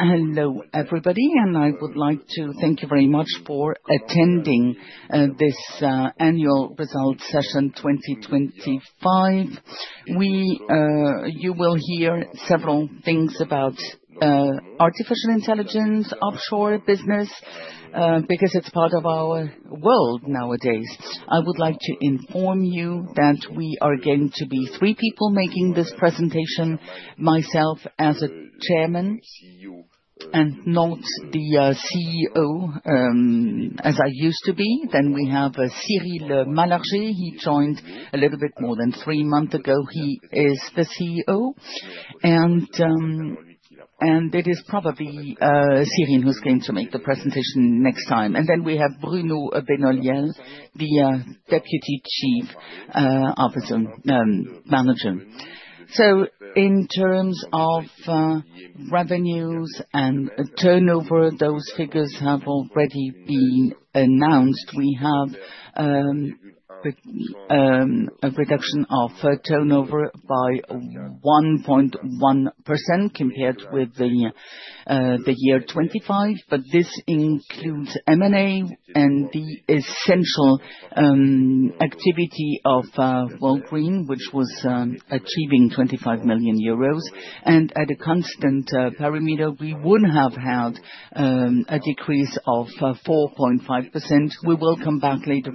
Hello everybody. I would like to thank you very much for attending this annual result session 2025. You will hear several things about artificial intelligence, offshore business, because it's part of our world nowadays. I would like to inform you that we are going to be three people making this presentation. Myself as chairman and not the CEO as I used to be. We have Cyril Malargé. He joined a little bit more than three months ago. He is the CEO. It is probably Cyril who's going to make the presentation next time. We have Bruno Benoliel, the Deputy Chief Executive Officer. In terms of revenues and turnover, those figures have already been announced. We have a reduction of turnover by 1.1% compared with the year 2025, but this includes M&A and the essential activity of Worldgrid, which was achieving 25 million euros. At a constant parameter, we would have had a decrease of 4.5%. We will come back later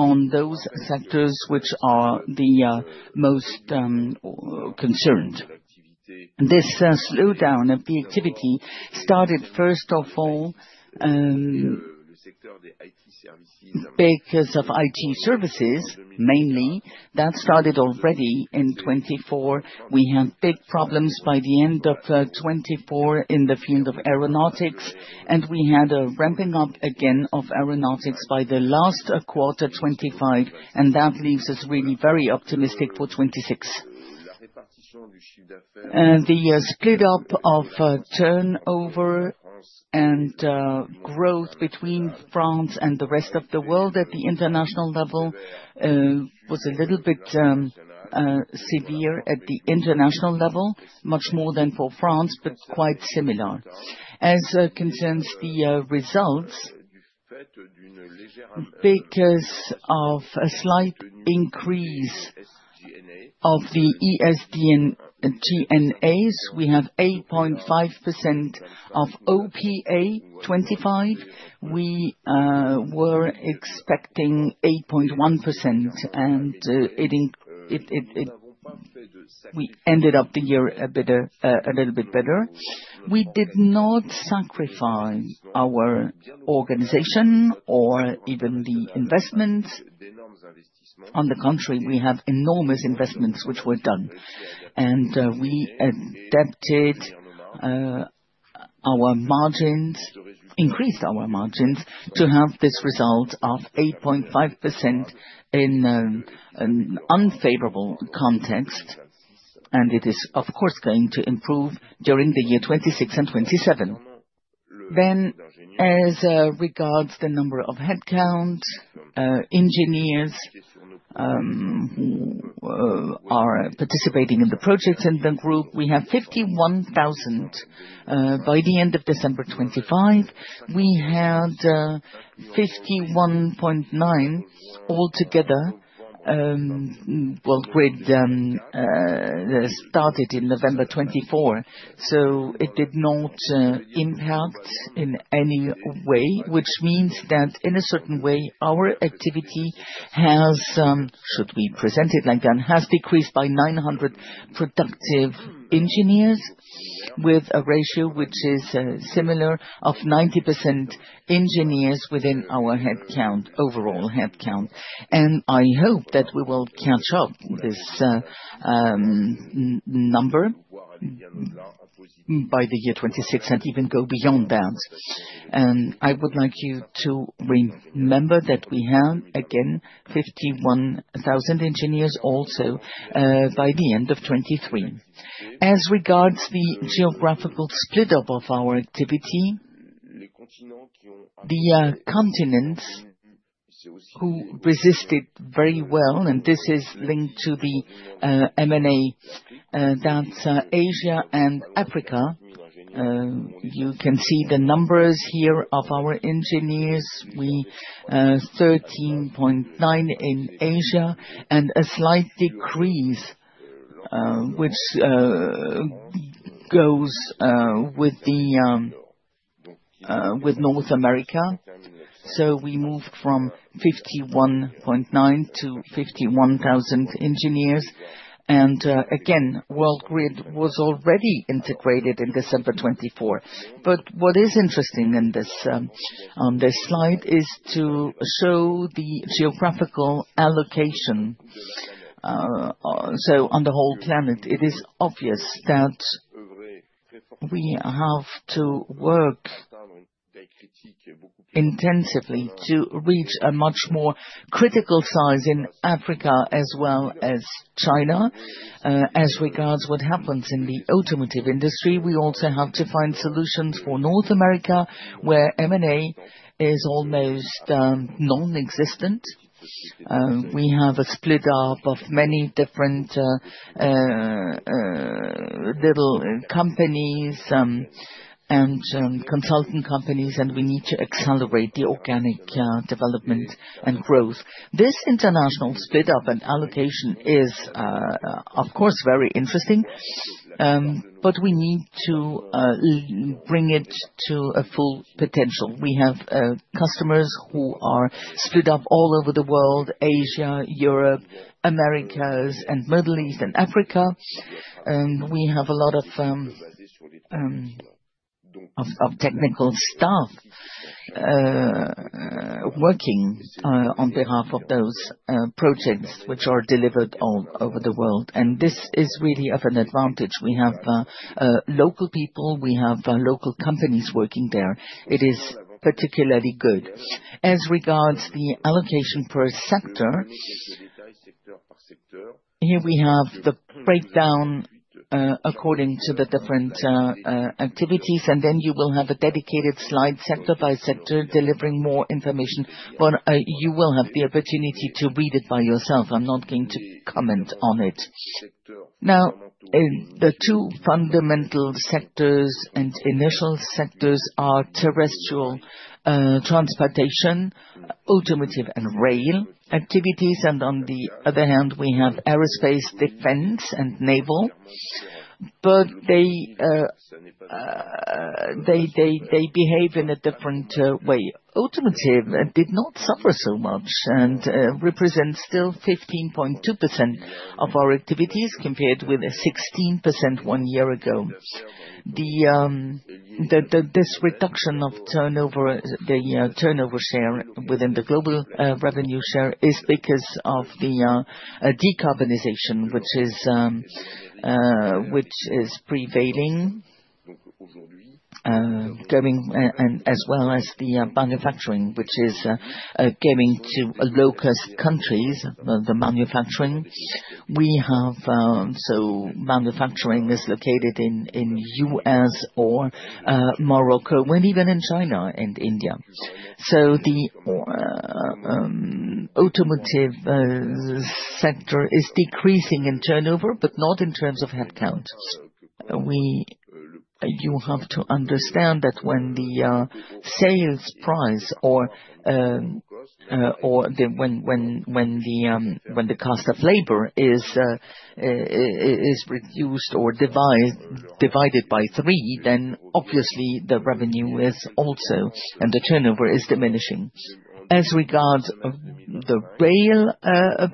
on those sectors which are the most concerned. This slowdown of the activity started first of all because of IT services, mainly. That started already in 2024. We had big problems by the end of 2024 in the field of aeronautics, and we had a ramping up again of aeronautics by the last quarter, 2025, and that leaves us really very optimistic for 2026. The split up of turnover and growth between France and the rest of the world at the international level was a little bit severe at the international level, much more than for France, but quite similar. As concerns the results, because of a slight increase of the ESD and TNAs, we have 8.5% of OPA 25. We were expecting 8.1%. We ended up the year a bit a little bit better. We did not sacrifice our organization or even the investment. On the contrary, we have enormous investments which were done. We adapted our margins, increased our margins to have this result of 8.5% in an unfavorable context. It is of course going to improve during the year 2026 and 2027. As regards the number of headcount engineers who are participating in the projects in the group, we have 51,000 by the end of December 2025. We had 51.9 all together. Well, Worldgrid started in November 2024, so it did not impact in any way, which means that in a certain way, our activity has should be presented like that, has decreased by 900 productive engineers with a ratio which is similar of 90% engineers within our headcount, overall headcount. I hope that we will catch up this number by the year 2026 and even go beyond that. I would like you to remember that we have, again, 51,000 engineers also by the end of 2023. As regards the geographical split up of our activity, the continents who resisted very well, and this is linked to the M&A, that's Asia and Africa. You can see the numbers here of our engineers. We 13.9 in Asia and a slight decrease, which goes with North America. We moved from 51.9 to 51,000 engineers. Again, Worldgrid was already integrated in December 2024. What is interesting in this on this slide is to show the geographical allocation, so on the whole planet, it is obvious that we have to work intensively to reach a much more critical size in Africa as well as China. As regards what happens in the automotive industry, we also have to find solutions for North America, where M&A is almost non-existent. We have a split up of many different little companies and consulting companies, and we need to accelerate the organic development and growth. This international split up and allocation is, of course, very interesting. We need to bring it to a full potential. We have customers who are split up all over the world, Asia, Europe, Americas, and Middle East and Africa. We have a lot of technical staff working on behalf of those projects which are delivered all over the world. This is really of an advantage. We have local people, we have local companies working there. It is particularly good. As regards the allocation per sector, here we have the breakdown, according to the different activities, and then you will have a dedicated slide sector by sector delivering more information. You will have the opportunity to read it by yourself. I'm not going to comment on it. Now, in the two fundamental sectors and initial sectors are terrestrial transportation, automotive, and rail activities. On the other hand, we have aerospace, defense, and naval. They behave in a different way. Automotive did not suffer so much and represents still 15.2% of our activities compared with 16% one year ago. This reduction of the turnover share within the global revenue share is because of the decarbonization, which is prevailing, coming and as well as the manufacturing, which is coming to low-cost countries, the manufacturing. Manufacturing is located in the U.S. or Morocco, or even in China and India. The automotive sector is decreasing in turnover, but not in terms of headcounts. You have to understand that when the cost of labor is reduced or divided by three, then obviously the revenue is also, and the turnover is diminishing. As regards the rail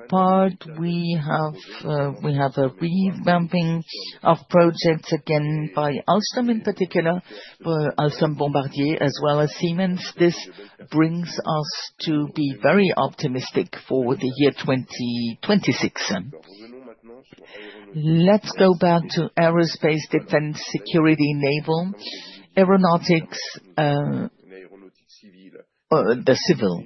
part, we have a revamping of projects again by Alstom in particular, Alstom, Bombardier as well as Siemens. This brings us to be very optimistic for the year 2026. Let's go back to aerospace, defense, security, naval. Aeronautics, the civil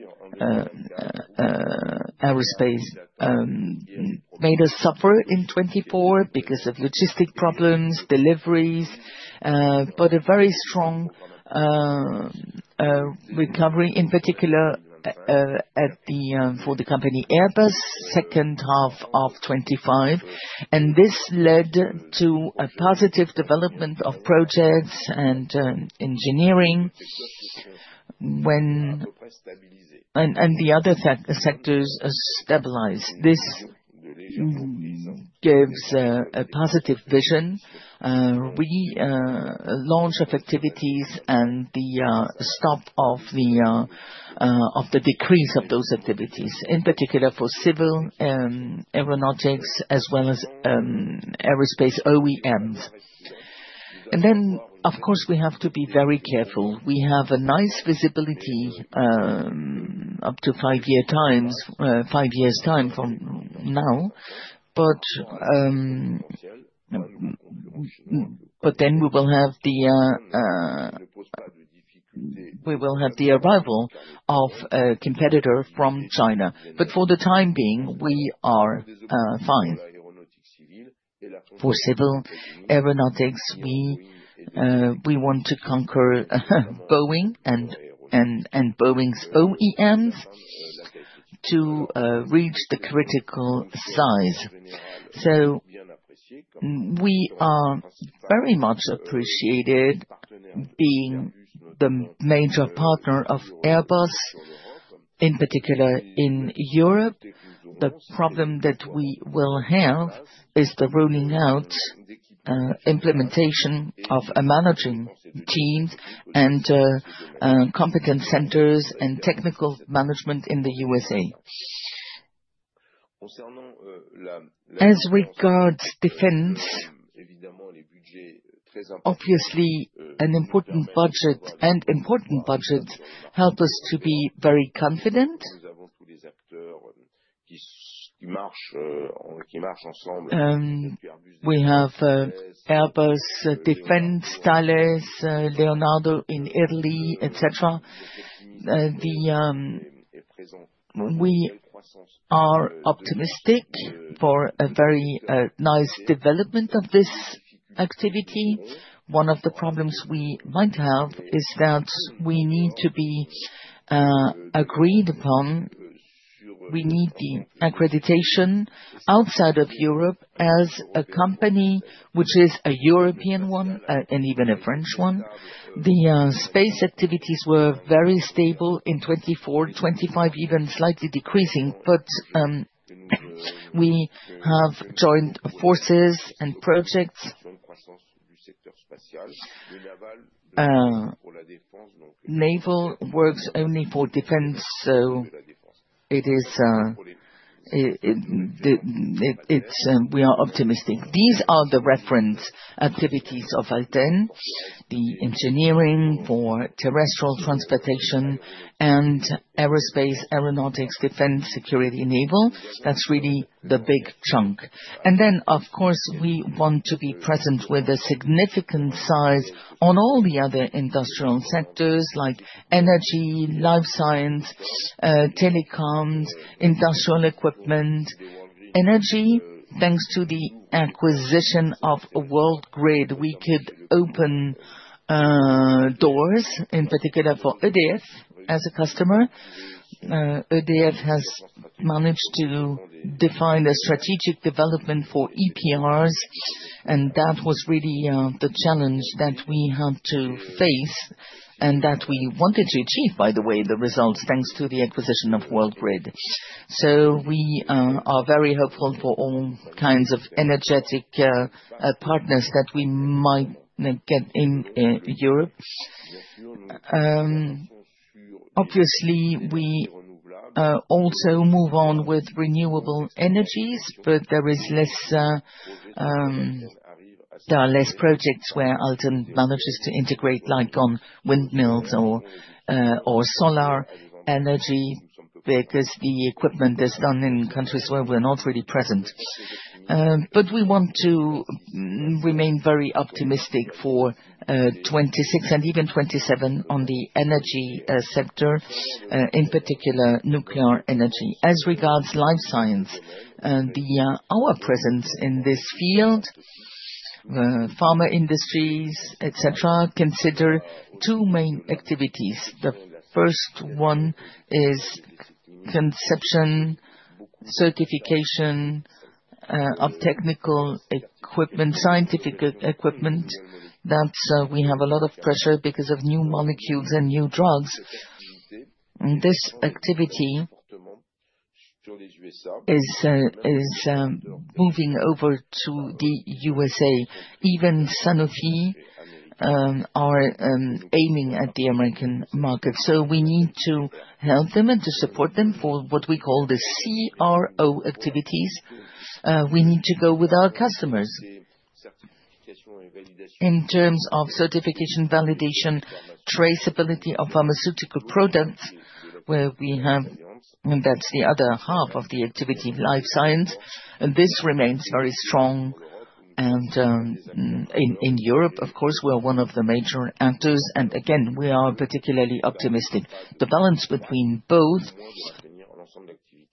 aerospace made us suffer in 2024 because of logistics problems, deliveries, but a very strong recovery, in particular, at the for the company Airbus second half of 2025, and this led to a positive development of projects and engineering. The other sectors are stabilized. This gives a positive vision, relaunch of activities and the stop of the decrease of those activities, in particular for civil aeronautics as well as aerospace OEMs. Of course, we have to be very careful. We have a nice visibility up to five years' time from now. We will have the arrival of a competitor from China. For the time being, we are fine. For civil aeronautics, we want to conquer Boeing and Boeing's OEMs to reach the critical size. We are very much appreciated being the major partner of Airbus, in particular in Europe. The problem that we will have is the rollout implementation of a management team and competence centers and technical management in the USA. As regards defense, obviously important budgets help us to be very confident. We have Airbus Defense, Thales, Leonardo in Italy, et cetera. We are optimistic for a very nice development of this activity. One of the problems we might have is that we need to be accredited. We need the accreditation outside of Europe as a company, which is a European one, and even a French one. Space activities were very stable in 2024, 2025, even slightly decreasing, but we have joined forces and projects. Naval works only for defense, so it is. We are optimistic. These are the reference activities of Alten. The engineering for terrestrial transportation and aerospace, aeronautics, defense, security, naval. That's really the big chunk. Then, of course, we want to be present with a significant size on all the other industrial sectors like energy, life science, telecoms, industrial equipment. Energy, thanks to the acquisition of Worldgrid, we could open doors, in particular for EDF as a customer. EDF has managed to define a strategic development for EPRs, and that was really the challenge that we had to face and that we wanted to achieve, by the way, the results, thanks to the acquisition of Worldgrid. We are very hopeful for all kinds of energetic partners that we might get in Europe. Obviously, we also move on with renewable energies, but there are less projects where Alten manages to integrate, like on windmills or solar energy, because the equipment is done in countries where we're not really present. We want to remain very optimistic for 2026 and even 2027 on the energy sector, in particular, nuclear energy. As regards life science, our presence in this field, pharma industries, et cetera, consider two main activities. The first one is conception, certification, of technical equipment, scientific equipment. That's we have a lot of pressure because of new molecules and new drugs. This activity is moving over to the USA. Even Sanofi are aiming at the American market, so we need to help them and to support them for what we call the CRO activities. We need to go with our customers. In terms of certification, validation, traceability of pharmaceutical products. That's the other half of the activity, life science, and this remains very strong. In Europe, of course, we are one of the major actors, and again, we are particularly optimistic. The balance between both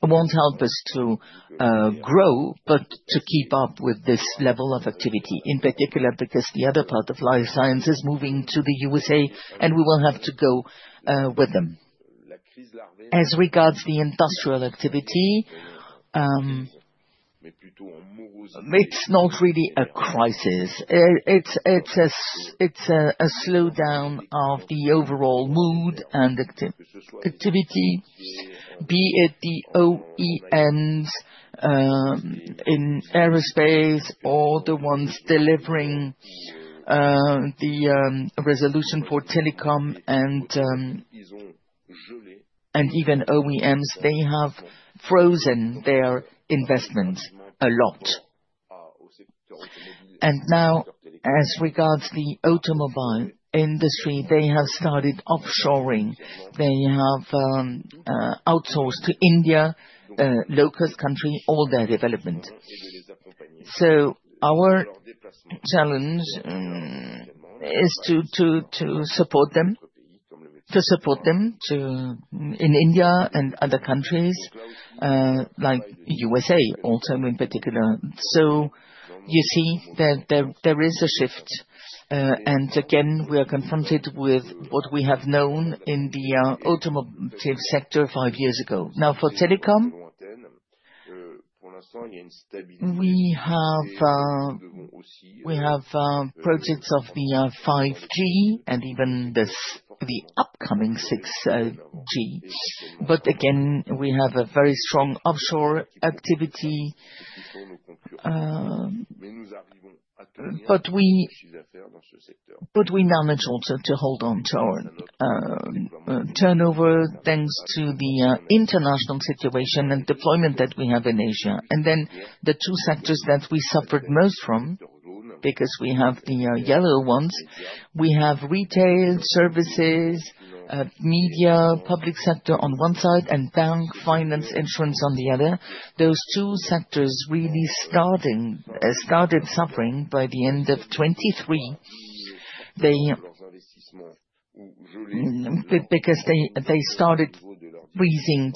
won't help us to grow, but to keep up with this level of activity, in particular because the other part of life science is moving to the USA, and we will have to go with them. As regards the industrial activity, it's not really a crisis. It's a slowdown of the overall mood and activity, be it the OEMs in aerospace or the ones delivering the solution for telecom and even OEMs, they have frozen their investments a lot. Now, as regards the automobile industry, they have started offshoring. They have outsourced to India, low-cost country, all their development. Our challenge is to support them in India and other countries, like USA, also in particular. You see that there is a shift, and again, we are confronted with what we have known in the automotive sector five years ago. Now, for telecom, we have projects of the 5G and even the upcoming 6G. We have a very strong offshore activity. We manage also to hold on to our turnover, thanks to the international situation and deployment that we have in Asia. The two sectors that we suffered most from, because we have the yellow ones, we have retail, services, media, public sector on one side, and bank, finance, insurance on the other. Those two sectors really started suffering by the end of 2023. They started freezing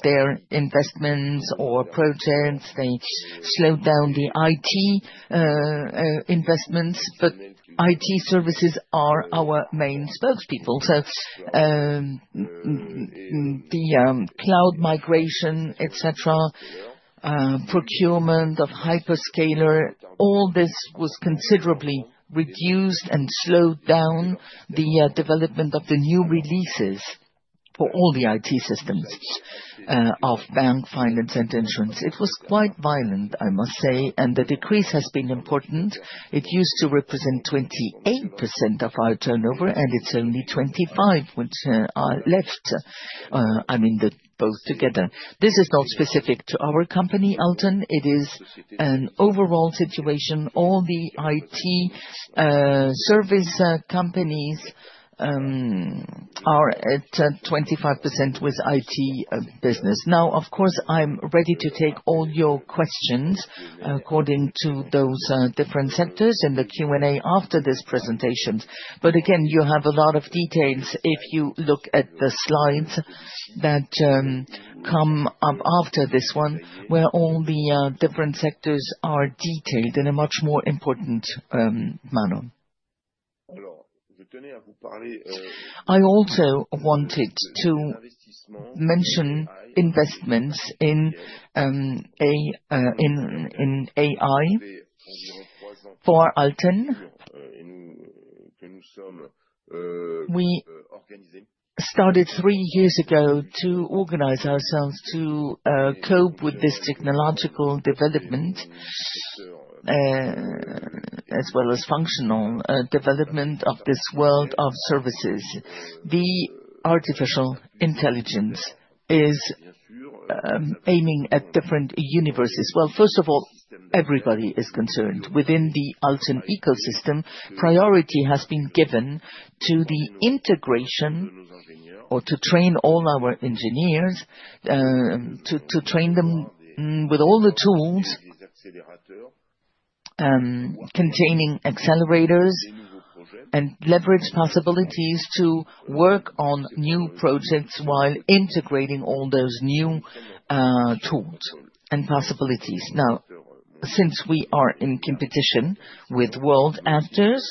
their investments or projects. They slowed down the IT investments. IT services are our main spokespeople. The cloud migration, et cetera, procurement of hyperscaler, all this was considerably reduced and slowed down the development of the new releases for all the IT systems of bank finance and insurance. It was quite violent, I must say, and the decrease has been important. It used to represent 28% of our turnover, and it's only 25 which are left. I mean the both together. This is not specific to our company, Alten. It is an overall situation. All the IT service companies are at 25% with IT business. Now, of course, I'm ready to take all your questions according to those different sectors in the Q&A after this presentation. Again, you have a lot of details if you look at the slides that come up after this one, where all the different sectors are detailed in a much more important manner. I also wanted to mention investments in AI for Alten. We started three years ago to organize ourselves to cope with this technological development as well as functional development of this world of services. The artificial intelligence is aiming at different universes. Well, first of all, everybody is concerned. Within the Alten ecosystem, priority has been given to the integration or to train all our engineers to train them with all the tools containing accelerators and leverage possibilities to work on new projects while integrating all those new tools and possibilities. Now, since we are in competition with world actors,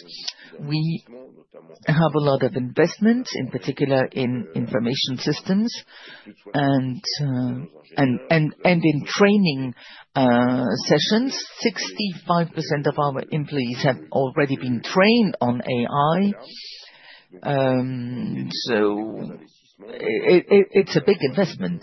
we have a lot of investment, in particular in information systems and in training sessions. 65% of our employees have already been trained on AI. It's a big investment.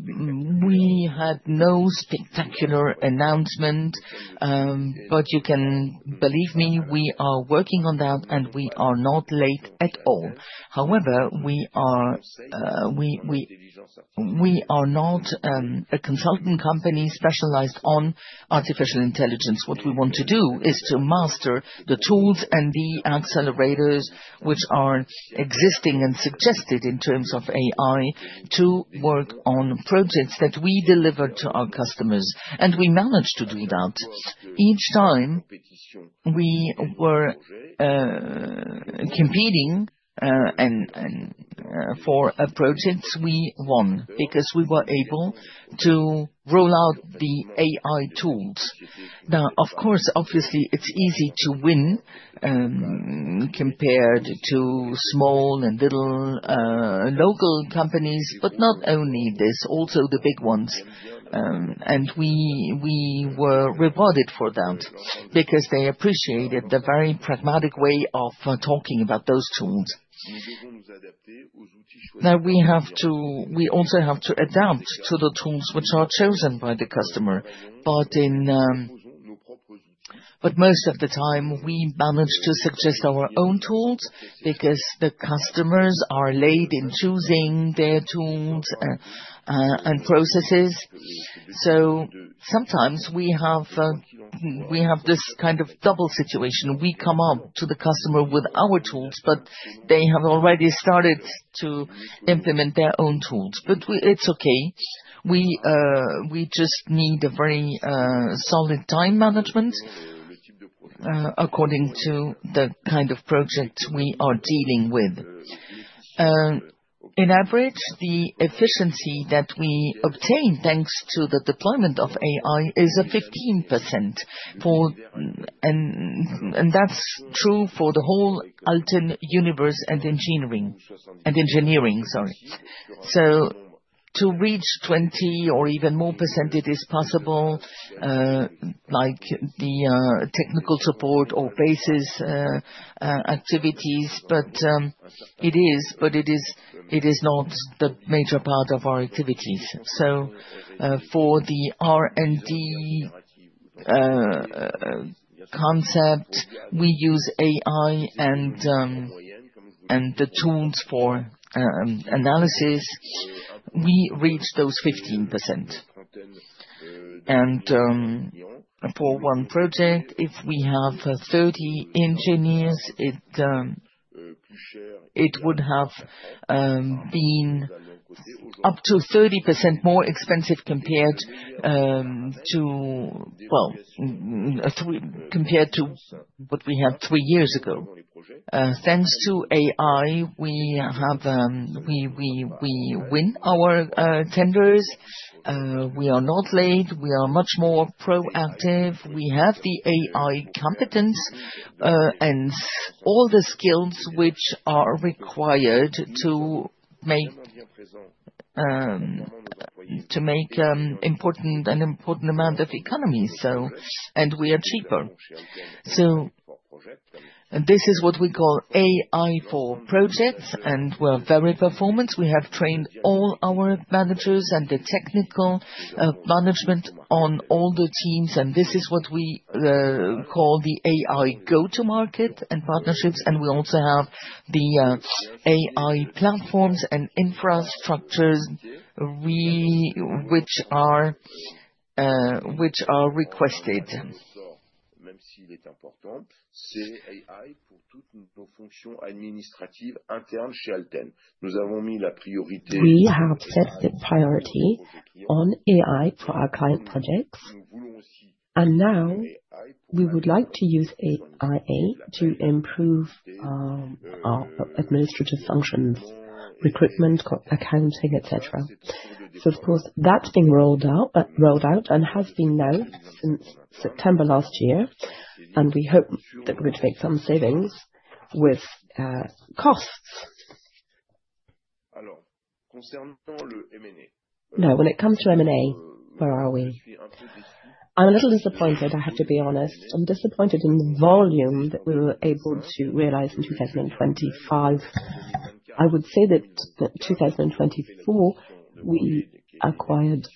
We had no spectacular announcement, but you can believe me, we are working on that, and we are not late at all. However, we are not a consulting company specialized on artificial intelligence. What we want to do is to master the tools and the accelerators which are existing and suggested in terms of AI to work on projects that we deliver to our customers, and we manage to do that. Each time we were competing and for a project we won because we were able to roll out the AI tools. Now, of course, obviously it's easy to win, compared to small and little local companies. Not only this, also the big ones. We were rewarded for that because they appreciated the very pragmatic way of talking about those tools. We also have to adapt to the tools which are chosen by the customer. Most of the time, we manage to suggest our own tools because the customers are late in choosing their tools and processes. Sometimes we have this kind of double situation. We come up to the customer with our tools, but they have already started to implement their own tools. It's okay. We just need a very solid time management according to the kind of project we are dealing with. On average, the efficiency that we obtain thanks to the deployment of AI is 15%. That's true for the whole Alten universe and engineering. Engineering, sorry. To reach 20% or even more percentages, it is possible, like the technical support or basic activities, but it is not the major part of our activities. For the R&D concept, we use AI and the tools for analysis. We reach those 15%. For one project, if we have 30 engineers, it would have been up to 30% more expensive compared to what we had three years ago. Thanks to AI, we win our tenders. We are not late. We are much more proactive. We have the AI competence and all the skills which are required to make an important amount of economy, so we are cheaper. This is what we call AI for projects, and we're very performant. We have trained all our managers and the technical management on all the teams, and this is what we call the AI go-to market and partnerships. We also have the AI platforms and infrastructures which are requested. We have set the priority on AI for our current projects, and now we would like to use AI to improve our administrative functions, recruitment, accounting, et cetera. That's being rolled out and has been now since September last year, and we hope that we'd make some savings with costs. Now, when it comes to M&A, where are we? I'm a little disappointed, I have to be honest. I'm disappointed in the volume that we were able to realize in 2025. I would say that 2024, we acquired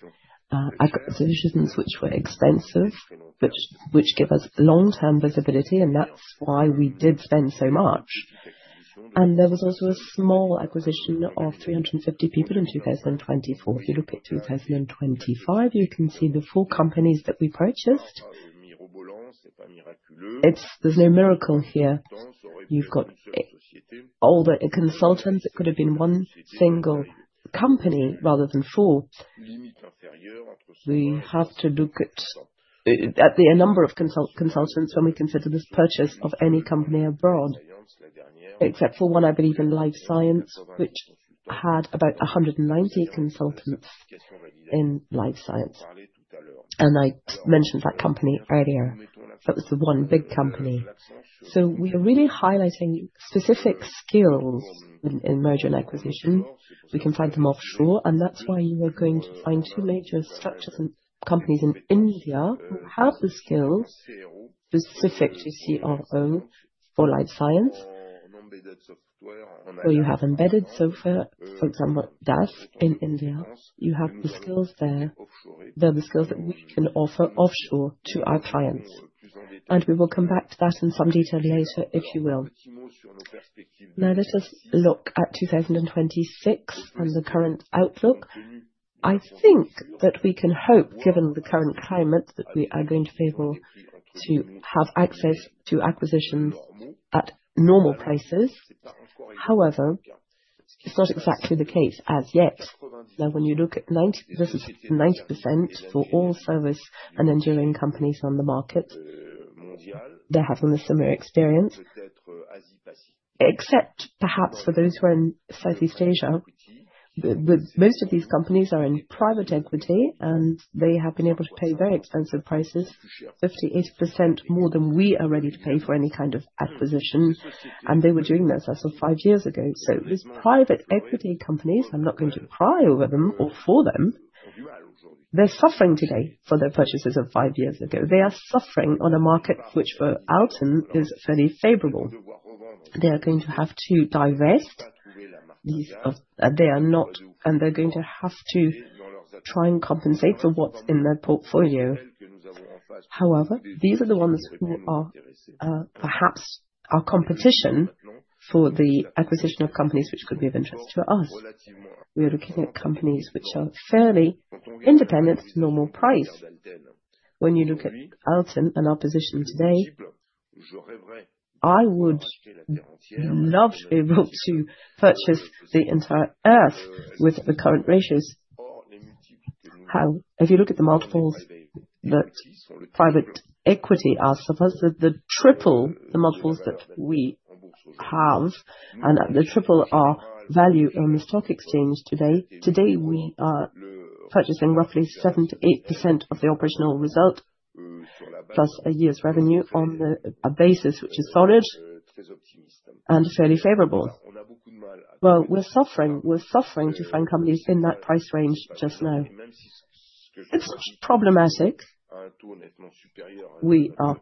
acquisitions which were expensive, which give us long-term visibility, and that's why we did spend so much. There was also a small acquisition of 350 people in 2024. If you look at 2025, you can see the four companies that we purchased. There's no miracle here. You've got all the consultants. It could have been one single company rather than four. We have to look at the number of consultants when we consider this purchase of any company abroad, except for one, I believe, in life science, which had about 190 consultants in life science. I mentioned that company earlier. That was the one big company. We are really highlighting specific skills in merger and acquisition. We can find them offshore, and that's why you are going to find two major structures and companies in India who have the skills specific to CRO for life science. Where you have embedded software, for example, DAF in India. You have the skills there. They're the skills that we can offer offshore to our clients. We will come back to that in some detail later, now, let us look at 2026 and the current outlook. I think that we can hope, given the current climate, that we are going to be able to have access to acquisitions at normal prices. However, it's not exactly the case as yet. Now, when you look at. This is 90% for all service and engineering companies on the market. They're having a similar experience. Except perhaps for those who are in Southeast Asia. Most of these companies are in private equity, and they have been able to pay very expensive prices, 58% more than we are ready to pay for any kind of acquisition. They were doing that as of five years ago. These private equity companies, I'm not going to cry over them or for them. They're suffering today for their purchases of five years ago. They are suffering on a market which for Alten is very favorable. They are going to have to divest these, and they're going to have to try and compensate for what's in their portfolio. However, these are the ones who are perhaps our competition for the acquisition of companies which could be of interest to us. We are looking at companies which are fairly independent, normal price. When you look at Alten and our position today, I would love to be able to purchase the entire earth with the current ratios. If you look at the multiples that private equity are supposed to be triple the multiples that we have and at the triple our value on the stock exchange today. Today, we are purchasing roughly 7%-8% of the operational result plus a year's revenue on a basis which is solid and fairly favorable. Well, we're suffering to find companies in that price range just now. It's problematic. We are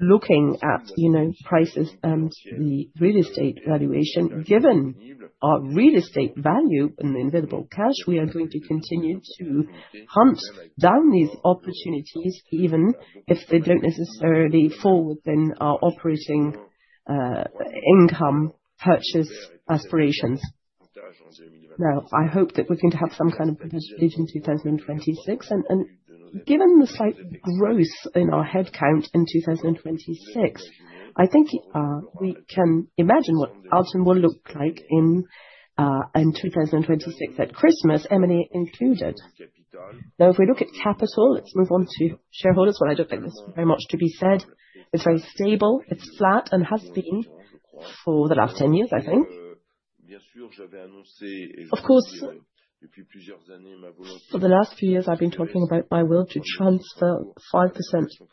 looking at, you know, prices and the real estate valuation. Given our real estate value and the invisible cash, we are going to continue to hunt down these opportunities, even if they don't necessarily fall within our operating income purchase aspirations. Now, I hope that we're going to have some kind of participation in 2026. Given the slight growth in our headcount in 2026, I think, we can imagine what Alstom will look like in 2026 at Christmas, M&A included. Now, if we look at capital, let's move on to shareholders. Well, I don't think there's very much to be said. It's very stable, it's flat, and has been for the last 10 years, I think. Of course, for the last few years, I've been talking about my will to transfer 5%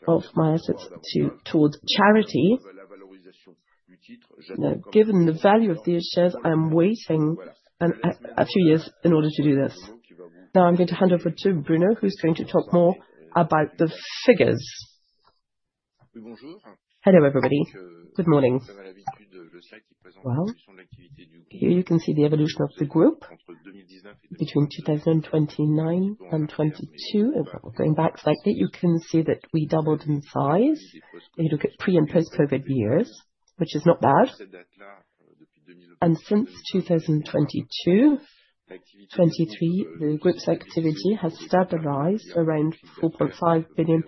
of my assets towards charity. Now, given the value of these shares, I am waiting a few years in order to do this. Now I'm going to hand over to Bruno, who's going to talk more about the figures. Hello, everybody. Good morning. Well, here you can see the evolution of the group between 2019 and 2022. If I go back slightly, you can see that we doubled in size when you look at pre- and post-COVID years, which is not bad. Since 2022, 2023, the group's activity has stabilized around 4.5 billion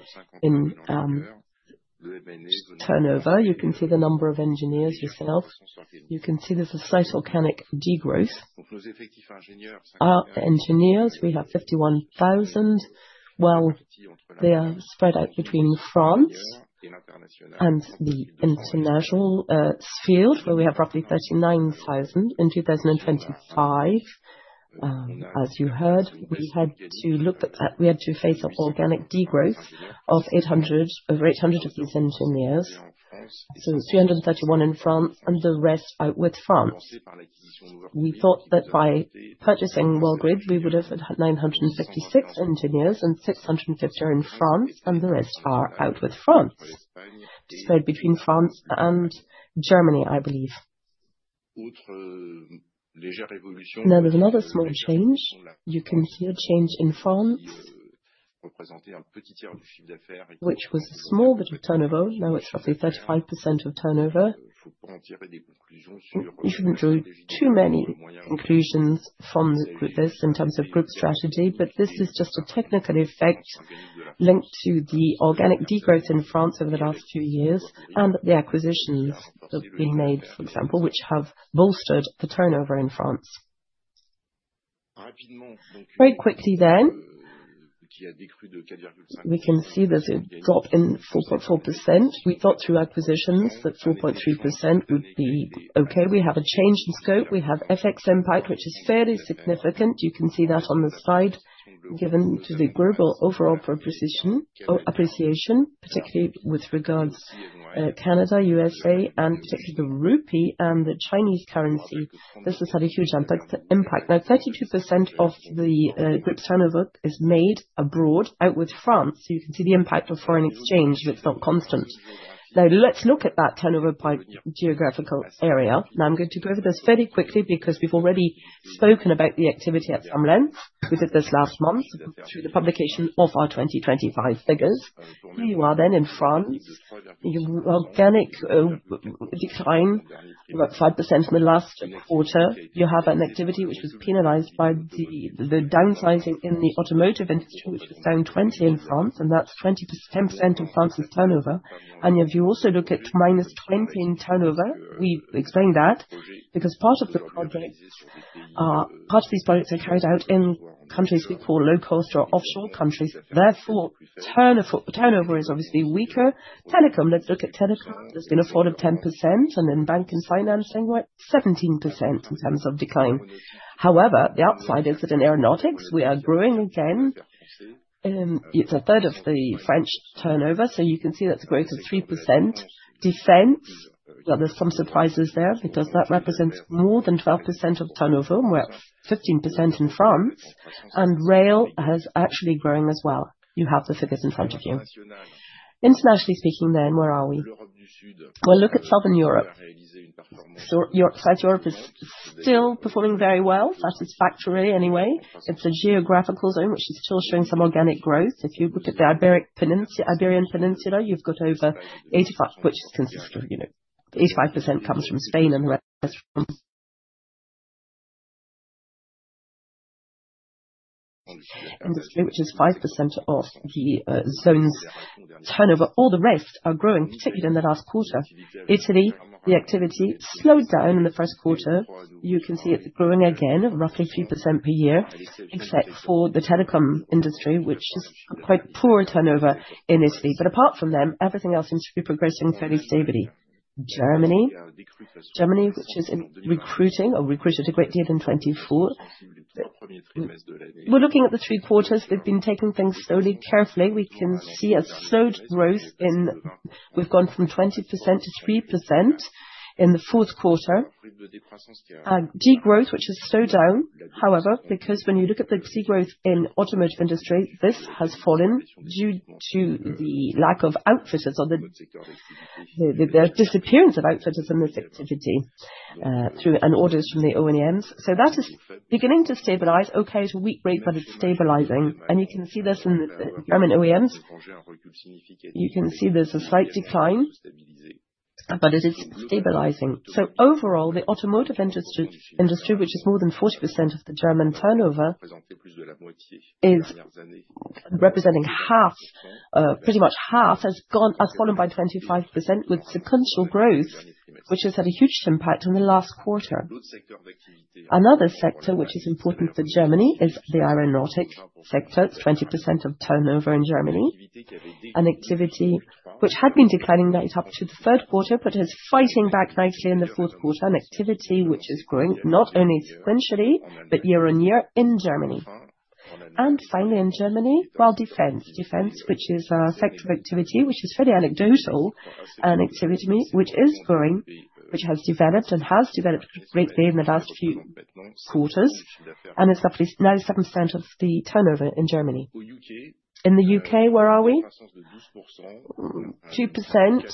in turnover. You can see the number of engineers yourself. You can see there's a slight organic degrowth. Our engineers, we have 51,000. Well, they are spread out between France and the international field, where we have roughly 39,000. In 2025, as you heard, we had to look at that. We had to face up to organic degrowth of over 800 engineers over the years, so 331 in France and the rest outside France. We thought that by purchasing Worldgrid, we would have 966 engineers, and 650 are in France, and the rest are outside France. Spread between France and Germany, I believe. Now, there's another small change. You can see a change in France, which was a small bit of turnover. Now it's roughly 35% of turnover. You shouldn't draw too many conclusions from this in terms of group strategy, but this is just a technical effect linked to the organic degrowth in France over the last few years and the acquisitions that have been made, for example, which have bolstered the turnover in France. Very quickly, we can see there's a drop in 4.4%. We thought through acquisitions that 4.3% would be okay. We have a change in scope. We have FX impact, which is fairly significant. You can see that on the slide given to the global overall depreciation or appreciation, particularly with regards Canada, USA and particularly the rupee and the Chinese currency. This has had a huge impact. 32% of the group's turnover is made abroad outside France. You can see the impact of foreign exchange if it's not constant. Now let's look at that turnover by geographical area. Now, I'm going to go over this fairly quickly because we've already spoken about the activity at some length. We did this last month through the publication of our 2025 figures. Here you are then in France. You have organic decline, about 5% in the last quarter. You have an activity which was penalized by the downsizing in the automotive industry, which was down 20% in France, and that's 20%-10% of France's turnover. If you also look at -20% in turnover, we explained that because part of these projects are carried out in countries we call low cost or offshore countries. Therefore, turnover is obviously weaker. Telecom. Let's look at telecom. There's been a fall of 10% and in banking and financing, we're at 17% in terms of decline. However, the upside is that in aeronautics we are growing again, and it's a third of the French turnover. You can see that's a growth of 3%. Defense. Now there are some surprises there because that represents more than 12% of turnover, and we're at 15% in France. Rail has actually grown as well. You have the figures in front of you. Internationally speaking then, where are we? Well, look at Southern Europe. South Europe is still performing very well. Satisfactory anyway. It's a geographical zone which is still showing some organic growth. If you look at the Iberian Peninsula, you've got over 85%, which consists of, you know, 85% comes from Spain and the rest from Portugal. Industry, which is 5% of the zone's turnover. All the rest are growing, particularly in the last quarter. Italy, the activity slowed down in the first quarter. You can see it growing again, roughly 3% per year, except for the telecom industry, which is quite poor turnover in Italy. But apart from them, everything else seems to be progressing fairly stably. Germany, which recruited a great deal in 2024. We're looking at the three quarters. We've been taking things slowly, carefully. We can see a slowed growth in. We've gone from 20% to 3% in the fourth quarter. Degrowth, which has slowed down, however, because when you look at the growth in automotive industry, this has fallen due to the lack of outfitters or the disappearance of outfitters in this activity and orders from the OEMs. That is beginning to stabilize. Okay, it's a weak rate, but it's stabilizing. You can see this in the German OEMs. You can see there's a slight decline. It is stabilizing. Overall, the automotive industry, which is more than 40% of the German turnover, is representing half, pretty much half, has fallen by 25% with sequential growth, which has had a huge impact on the last quarter. Another sector which is important for Germany is the aeronautics sector. It's 20% of turnover in Germany. An activity which had been declining right up to the third quarter, but is fighting back nicely in the fourth quarter. An activity which is growing not only sequentially, but year-on-year in Germany. Finally, in Germany, well, defense. Defense, which is a sector of activity, which is fairly anecdotal. An activity which is growing, which has developed, and has developed greatly in the last few quarters, and it's at least 97% of the turnover in Germany. In the U.K., where are we? 2%.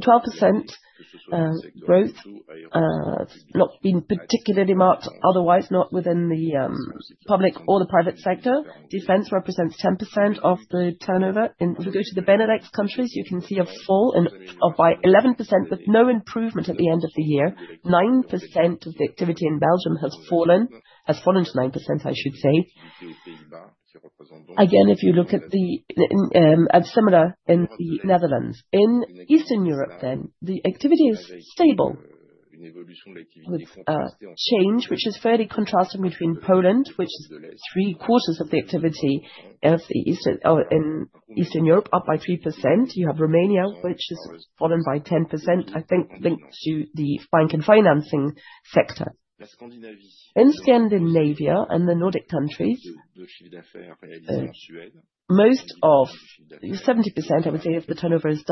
12% growth not been particularly marked otherwise, not within the public or the private sector. Defense represents 10% of the turnover. If you go to the Benelux countries, you can see a fall of 11%, with no improvement at the end of the year. 9% of the activity in Belgium has fallen. Has fallen to 9%, I should say. Again, if you look at the similar in the Netherlands. In Eastern Europe, the activity is stable, with change, which is fairly contrasting between Poland, which is three-quarters of the activity in the East in Eastern Europe, up by 3%. You have Romania, which has fallen by 10%, I think linked to the bank and financing sector. In Scandinavia and the Nordic countries, most of 70%, I would say, of the turnover is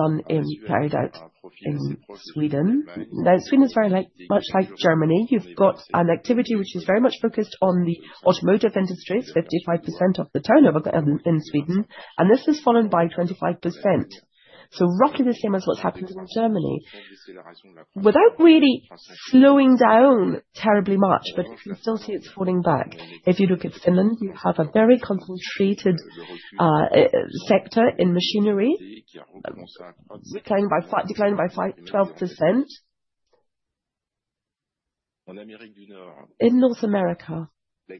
carried out in Sweden. Now Sweden is very much like Germany. You've got an activity which is very much focused on the automotive industry. It's 55% of the turnover in Sweden, and this has fallen by 25%. Roughly the same as what's happened in Germany. Without really slowing down terribly much, but you can still see it's falling back. If you look at Finland, you have a very concentrated sector in machinery, declining by 12%. In North America, the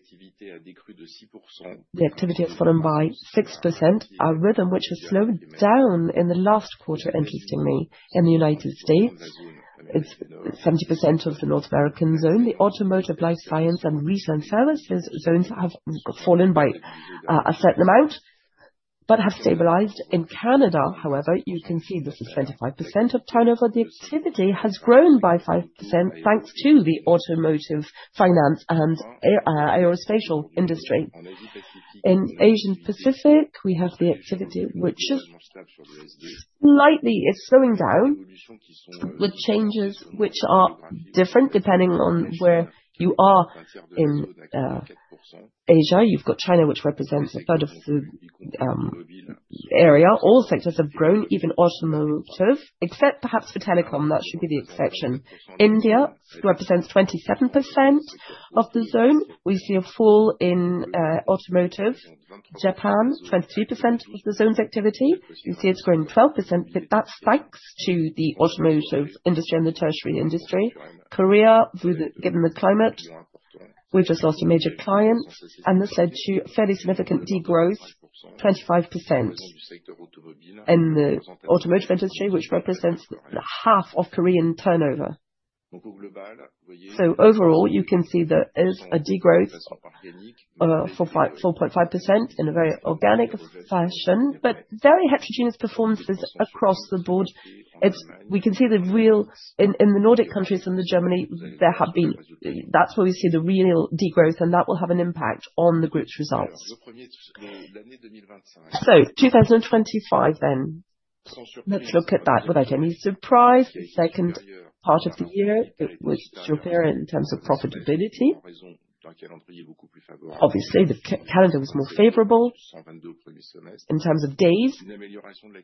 activity has fallen by 6%, a rhythm which has slowed down in the last quarter, interestingly. In the United States, it's 70% of the North American zone. The automotive, life science, and retail and services zones have fallen by a certain amount, but have stabilized. In Canada, however, you can see this is 25% of turnover. The activity has grown by 5%, thanks to the automotive finance and aerospace industry. In Asian Pacific, we have the activity, which is slightly slowing down, with changes which are different depending on where you are in Asia. You've got China, which represents a third of the area. All sectors have grown, even automotive, except perhaps for telecom. That should be the exception. India represents 27% of the zone. We see a fall in automotive. Japan, 22% of the zone's activity. You can see it's grown 12%. That's thanks to the automotive industry and the tertiary industry. Korea, given the climate, we've just lost a major client, and this led to fairly significant degrowth, 25%. In the automotive industry, which represents half of Korean turnover. Overall, you can see there is a degrowth of 4.5% in a very organic fashion, but very heterogeneous performances across the board. We can see the real. In the Nordic countries and Germany, there have been. That's where we see the real degrowth, and that will have an impact on the group's results. 2025 then. Let's look at that. Without any surprise, the second part of the year it was superior in terms of profitability. Obviously, the calendar was more favorable in terms of days.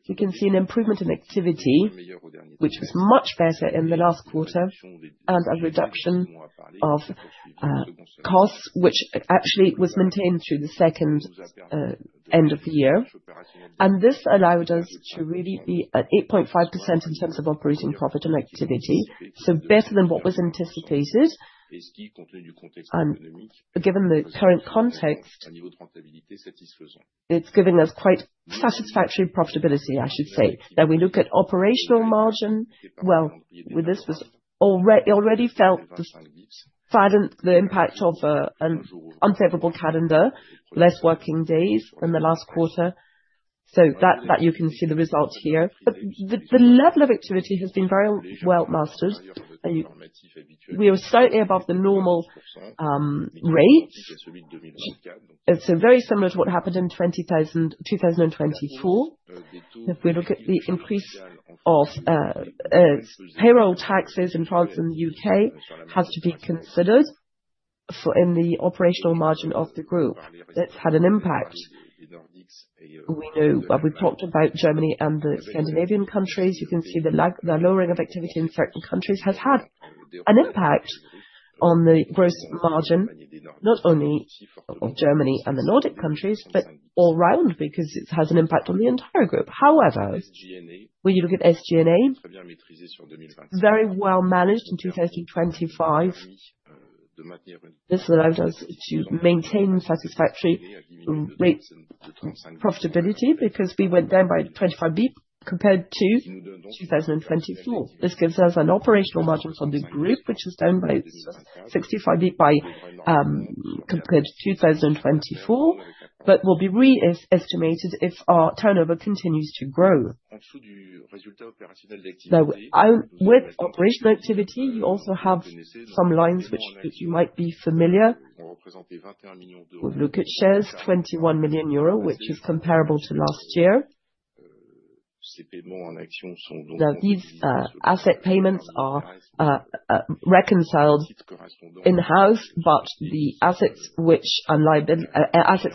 You can see an improvement in activity, which was much better in the last quarter, and a reduction of costs, which actually was maintained through the second half of the year. This allowed us to really be at 8.5% in terms of operating profit on activity. Better than what was anticipated. Given the current context, it's given us quite satisfactory profitability, I should say. We look at operational margin. With this was. Already felt the size and the impact of an unfavorable calendar, less working days in the last quarter. That you can see the results here. The level of activity has been very well mastered. We are slightly above the normal rate. It's very similar to what happened in 2024. If we look at the increase of payroll taxes in France and the U.K. has to be considered in the operational margin of the group. That's had an impact. We know we've talked about Germany and the Scandinavian countries. You can see the lowering of activity in certain countries has had an impact on the gross margin, not only of Germany and the Nordic countries, but all round because it has an impact on the entire group. However, when you look at SG&A, very well managed in 2025. This allowed us to maintain satisfactory rates of profitability because we went down by 25 bp compared to 2024. This gives us an operational margin for the group, which is down by 65 bp compared to 2024, but will be re-estimated if our turnover continues to grow. Now with operational activity, you also have some lines which you might be familiar. We look at cash 21 million euro, which is comparable to last year. Now these asset payments are reconciled in-house, but the assets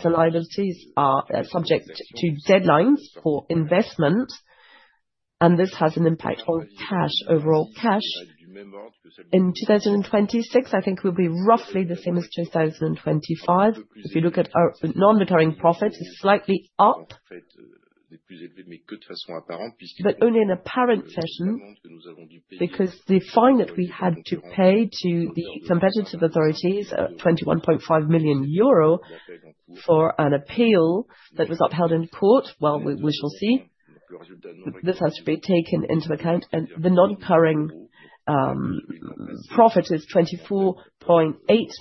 and liabilities are subject to deadlines for investment, and this has an impact on cash, overall cash. In 2026, I think we'll be roughly the same as 2025. If you look at our non-recurring profits is slightly up. Only apparently, because the fine that we had to pay to the competition authorities, 21.5 million euro for an appeal that was upheld in court. Well, we shall see. This has to be taken into account, and the non-recurring profit is 24.8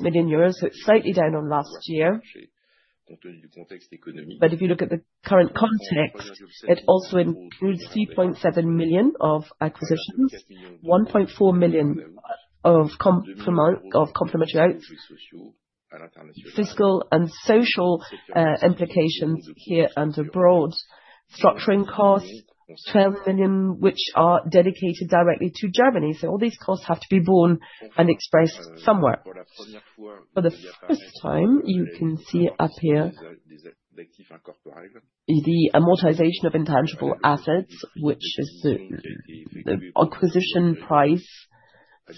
million euros. It's slightly down on last year. If you look at the current context, it also includes 3.7 million of acquisitions, 1.4 million of complementary fiscal and social implications here and abroad. Structuring costs, 12 million, which are dedicated directly to Germany. All these costs have to be borne and expressed somewhere. For the first time, you can see up here the amortization of intangible assets, which is the acquisition price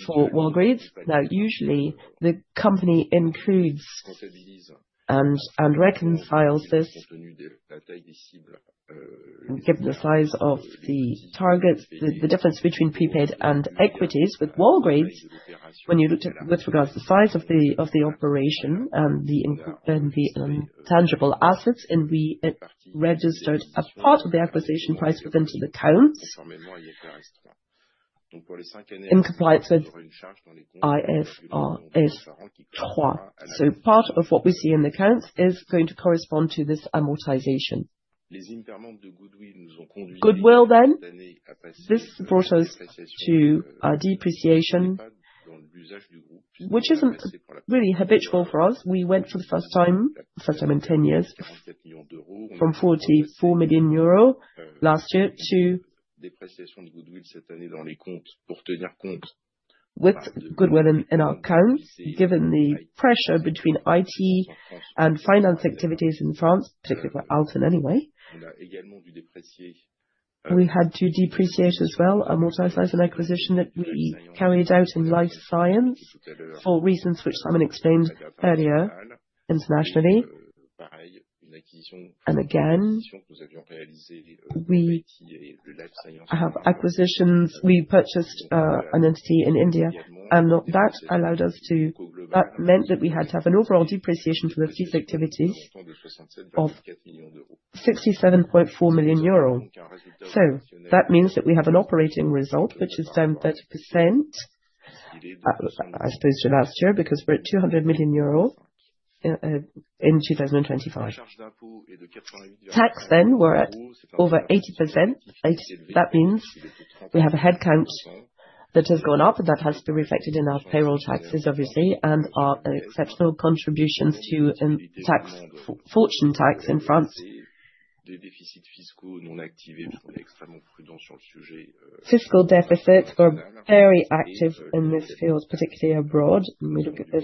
for Worldgrid. Now, usually, the company includes and reconciles this. Given the size of the targets, the difference between prepaids and intangibles with Worldgrid, when you look at with regard to the size of the operation, the intangible assets, and we registered a part of the acquisition price within the accounts. In compliance with IFRS 3. Part of what we see in the accounts is going to correspond to this amortization. Goodwill then, this brought us to a depreciation which isn't really habitual for us. We went for the first time in 10 years, from 44 million euros last year. With goodwill in our accounts, given the pressure between IT and finance activities in France, particularly for Alten anyway. We had to depreciate as well, amortize as an acquisition that we carried out in life science for reasons which Simon explained earlier, internationally. Again, we have acquisitions. We purchased an entity in India, and that allowed us to. That meant that we had to have an overall depreciation for the fees activity of 67.4 million euro. That means that we have an operating result which is down 30%, as opposed to last year, because we're at 200 million euro in 2025. Tax then, we're at over 80%. That means we have a headcount that has gone up, and that has been reflected in our payroll taxes, obviously, and our exceptional contributions to tax, fortune tax in France. Fiscal deficits, we're very active in this field, particularly abroad. When we look at the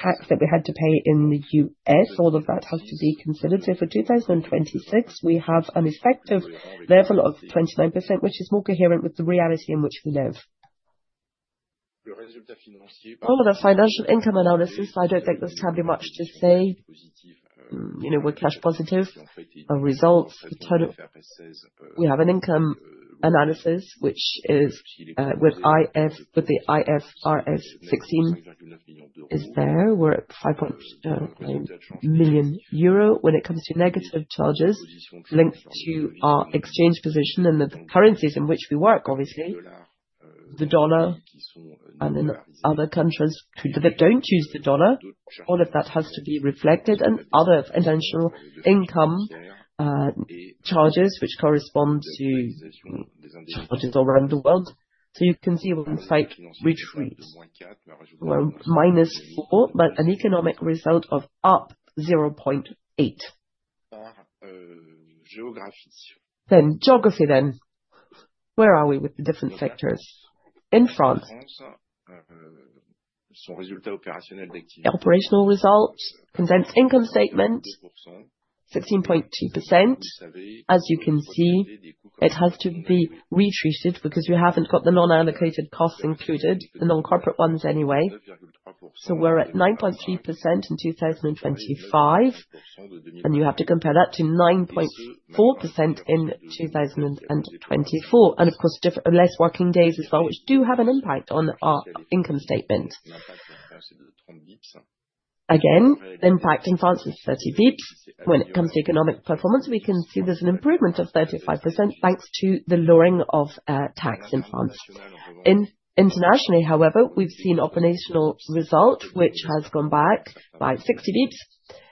tax that we had to pay in the U.S., all of that has to be considered. For 2026, we have an effective level of 29%, which is more coherent with the reality in which we live. For the financial income analysis, I don't think there's terribly much to say. You know, we're cash positive. Our results. We have an income analysis, which is with the IFRS 16. We're at 5.9 million euro when it comes to negative charges linked to our exchange position and the currencies in which we work, obviously. The dollar, and in other countries that don't use the dollar, all of that has to be reflected. Other financial income, charges which correspond to charges all around the world. You can see on this slide results. -4%, but an economic result of up 0.8%. Geography. Where are we with the different sectors? In France. Operational results, condensed income statement 16.2%. As you can see, it has to be restated because we haven't got the non-allocated costs included, the non-corporate ones anyway. We're at 9.3% in 2025, and you have to compare that to 9.4% in 2024. Of course, less working days as well, which do have an impact on our income statement. Again, the impact in France is 30 basis points. When it comes to economic performance, we can see there's an improvement of 35% thanks to the lowering of tax in France. Internationally, however, we've seen operational result which has gone back by 60 basis points.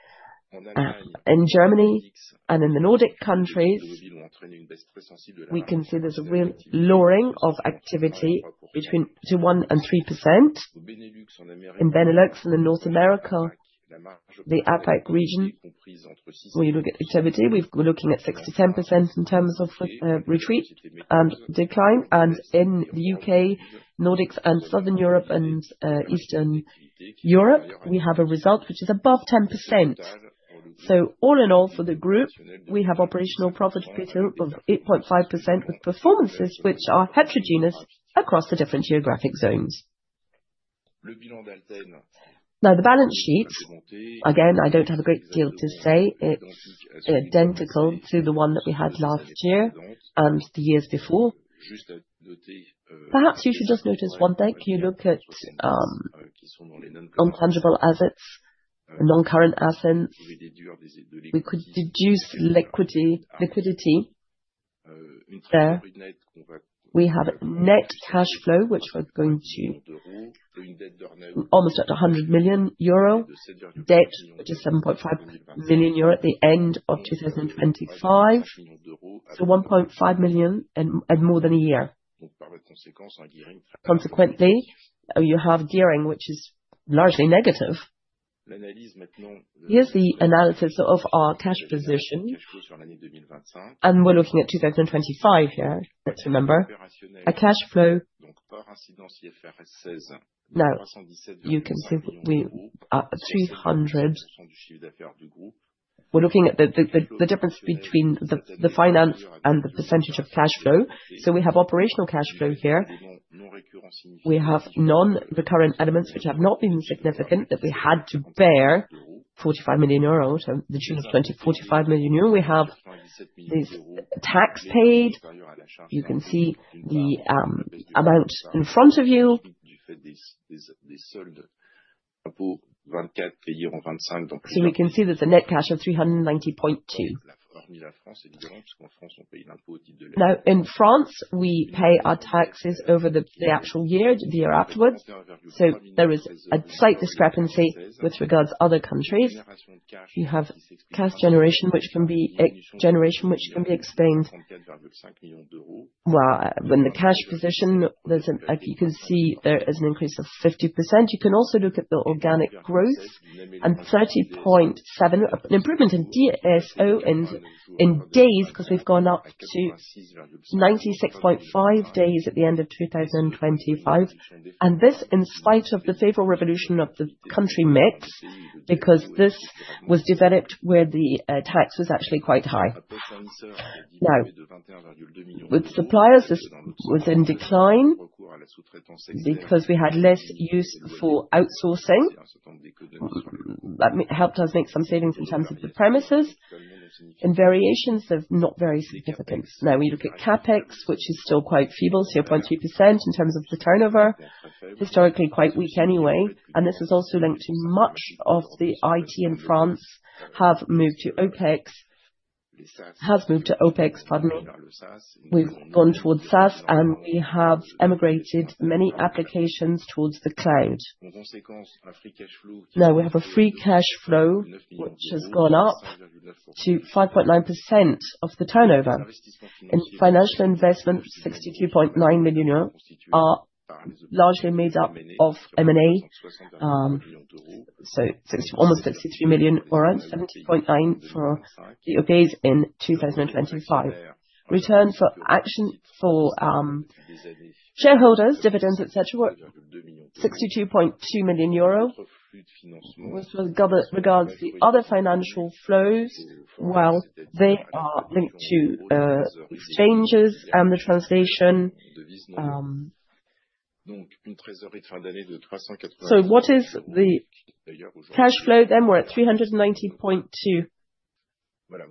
In Germany and in the Nordic countries, we can see there's a real lowering of activity between 1%-3%. In Benelux and in North America, the APAC region, we look at activity. We're looking at 6%-10% in terms of retreat and decline. In the UK, Nordics and Southern Europe and Eastern Europe, we have a result which is above 10%. All in all for the group, we have operational profit growth of 8.5% with performances which are heterogeneous across the different geographic zones. Now the balance sheet. Again, I don't have a great deal to say. It's identical to the one that we had last year, the years before. Perhaps you should just notice one thing. You look at intangible assets, the non-current assets. We could deduce liquidity there. We have net cash flow almost at 100 million euro. Debt, which is 7.5 million euro at the end of 2025. 1.5 million at more than a year. Consequently, you have gearing, which is largely negative. Here's the analysis of our cash position, and we're looking at 2025 here. Let's remember. Cash flow. Now you can see we are at 300 million. We're looking at the difference between the finance and the percentage of cash flow. We have operational cash flow here. We have non-recurring elements which have not been significant, that we had to bear 45 million euros. To the tune of 45 million euros. We have this tax paid. You can see the amount in front of you. You can see that the net cash of 390.2. Now in France, we pay our taxes over the actual year, the year afterwards. There is a slight discrepancy with regards to other countries. You have cash generation, which can be explained. You can see there is an increase of 50%. You can also look at the organic growth of 30.7%. An improvement in DSO in days because we've gone up to 96.5 days at the end of 2025. This in spite of the favorable evolution of the country mix, because in developed countries where the tax was actually quite high. With suppliers, this was in decline because we had less use for outsourcing. That helped us make some savings in terms of the premises. In variations, they're not very significant. Now we look at CapEx, which is still quite feeble, 0.2% in terms of the turnover. Historically, quite weak anyway. This is also linked to much of the IT in France has moved to OpEx. Pardon me. We've gone towards SaaS, and we have migrated many applications towards the cloud. Now we have a free cash flow, which has gone up to 5.9% of the turnover. In financial investment, 62.9 million euros are largely made up of M&A. So almost 63 million euros, 70.9 for EOB in 2025. Return to shareholders, dividends, et cetera, 62.2 million euro. With regards to the other financial flows, well, they are linked to exchanges and the translation. So what is the cash flow then? We're at 390.2 million.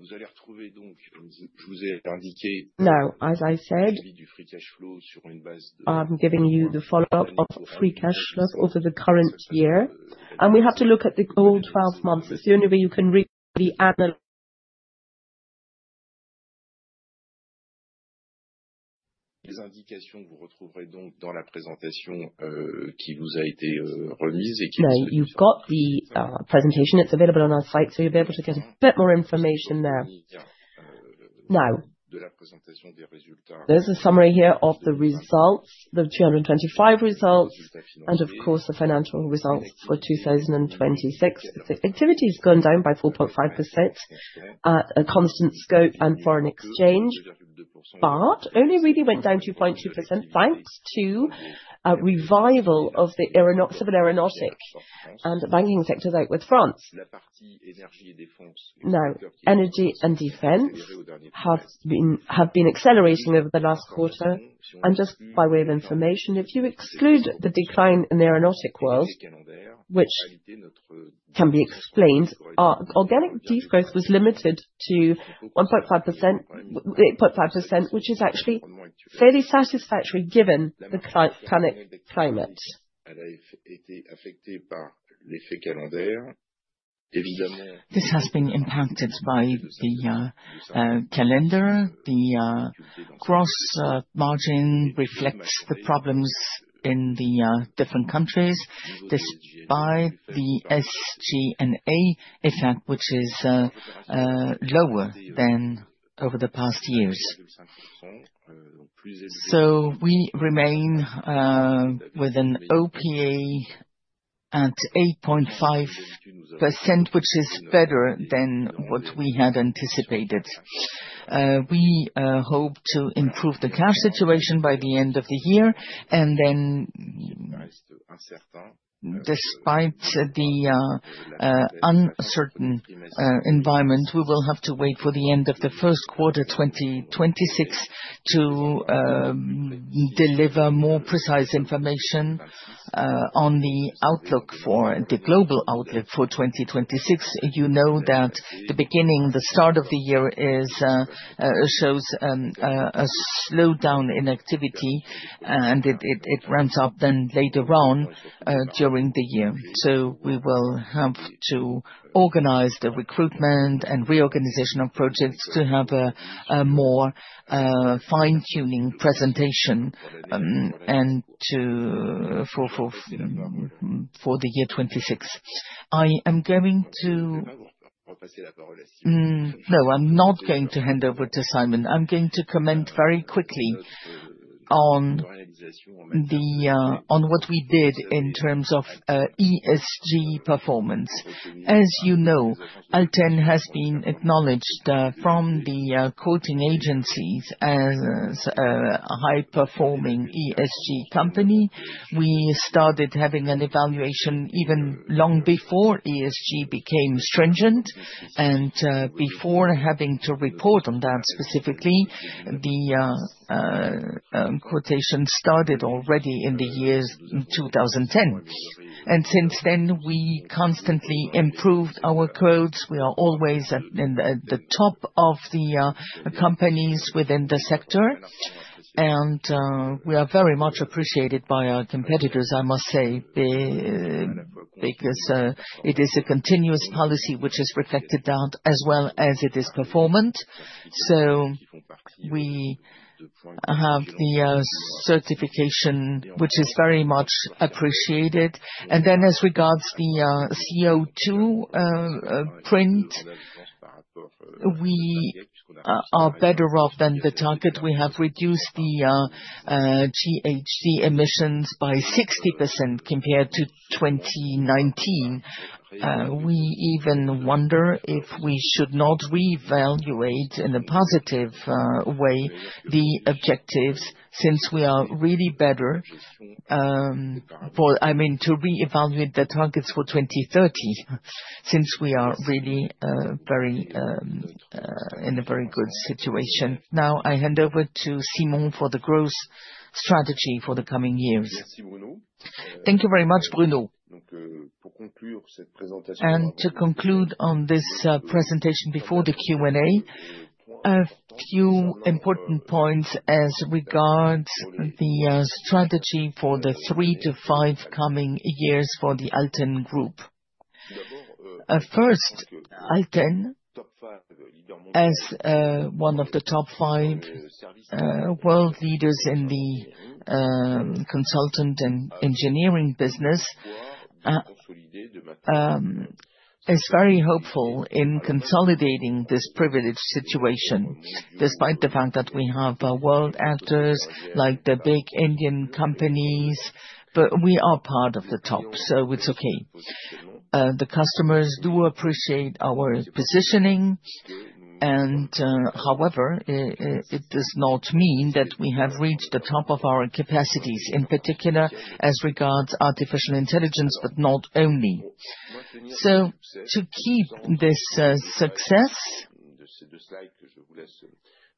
Now, as I said, I'm giving you the follow-up of free cash flow over the current year, and we have to look at the last twelve months. It's the only way you can read the analysis. Now you've got the presentation. It's available on our site, so you'll be able to get a bit more information there. There's a summary here of the results, the 225 results and of course, the financial results for 2026. Activity has gone down by 4.5% at a constant scope and foreign exchange, but only really went down 2.2% thanks to a revival of the aero civil aeronautic and the banking sector outside France. Energy and defense have been accelerating over the last quarter. Just by way of information, if you exclude the decline in the aeronautic world, which can be explained, our organic de-growth was limited to 1.5%-8.5%, which is actually fairly satisfactory given the current climate. This has been impacted by the calendar. Gross margin reflects the problems in the different countries, despite the SG&A effect, which is lower than over the past years. We remain with an OPA at 8.5%, which is better than what we had anticipated. We hope to improve the cash situation by the end of the year. Despite the uncertain environment, we will have to wait for the end of the first quarter 2026 to deliver more precise information on the outlook for the global outlook for 2026. You know that the beginning, the start of the year shows a slowdown in activity, and it ramps up then later on during the year. We will have to organize the recruitment and reorganization of projects to have a more fine-tuning presentation, and for the year 2026. I'm not going to hand over to Simon. I'm going to comment very quickly on what we did in terms of ESG performance. As you know, Alten has been acknowledged from the rating agencies as a high-performing ESG company. We started having an evaluation even long before ESG became stringent and before having to report on that specifically. The rating started already in the year 2010. Since then, we constantly improved our ratings. We are always at the top of the companies within the sector. We are very much appreciated by our competitors, I must say, because it is a continuous policy which is reflected throughout as well as it is performant. We have the certification, which is very much appreciated. Then as regards the CO₂ footprint, we are better off than the target. We have reduced the GHG emissions by 60% compared to 2019. We even wonder if we should not reevaluate in a positive way the objectives since we are really better. I mean, to reevaluate the targets for 2030, since we are really very in a very good situation. Now, I hand over to Simon for the growth strategy for the coming years. Thank you very much, Bruno. To conclude on this presentation before the Q&A, a few important points as regards the strategy for the three to five coming years for the Alten Group. First, Alten, as one of the top five world leaders in the consulting and engineering business, is very hopeful in consolidating this privileged situation, despite the fact that we have world actors like the big Indian companies. We are part of the top, so it's okay. The customers do appreciate our positioning. However, it does not mean that we have reached the top of our capacities, in particular as regards artificial intelligence, but not only. To keep this success,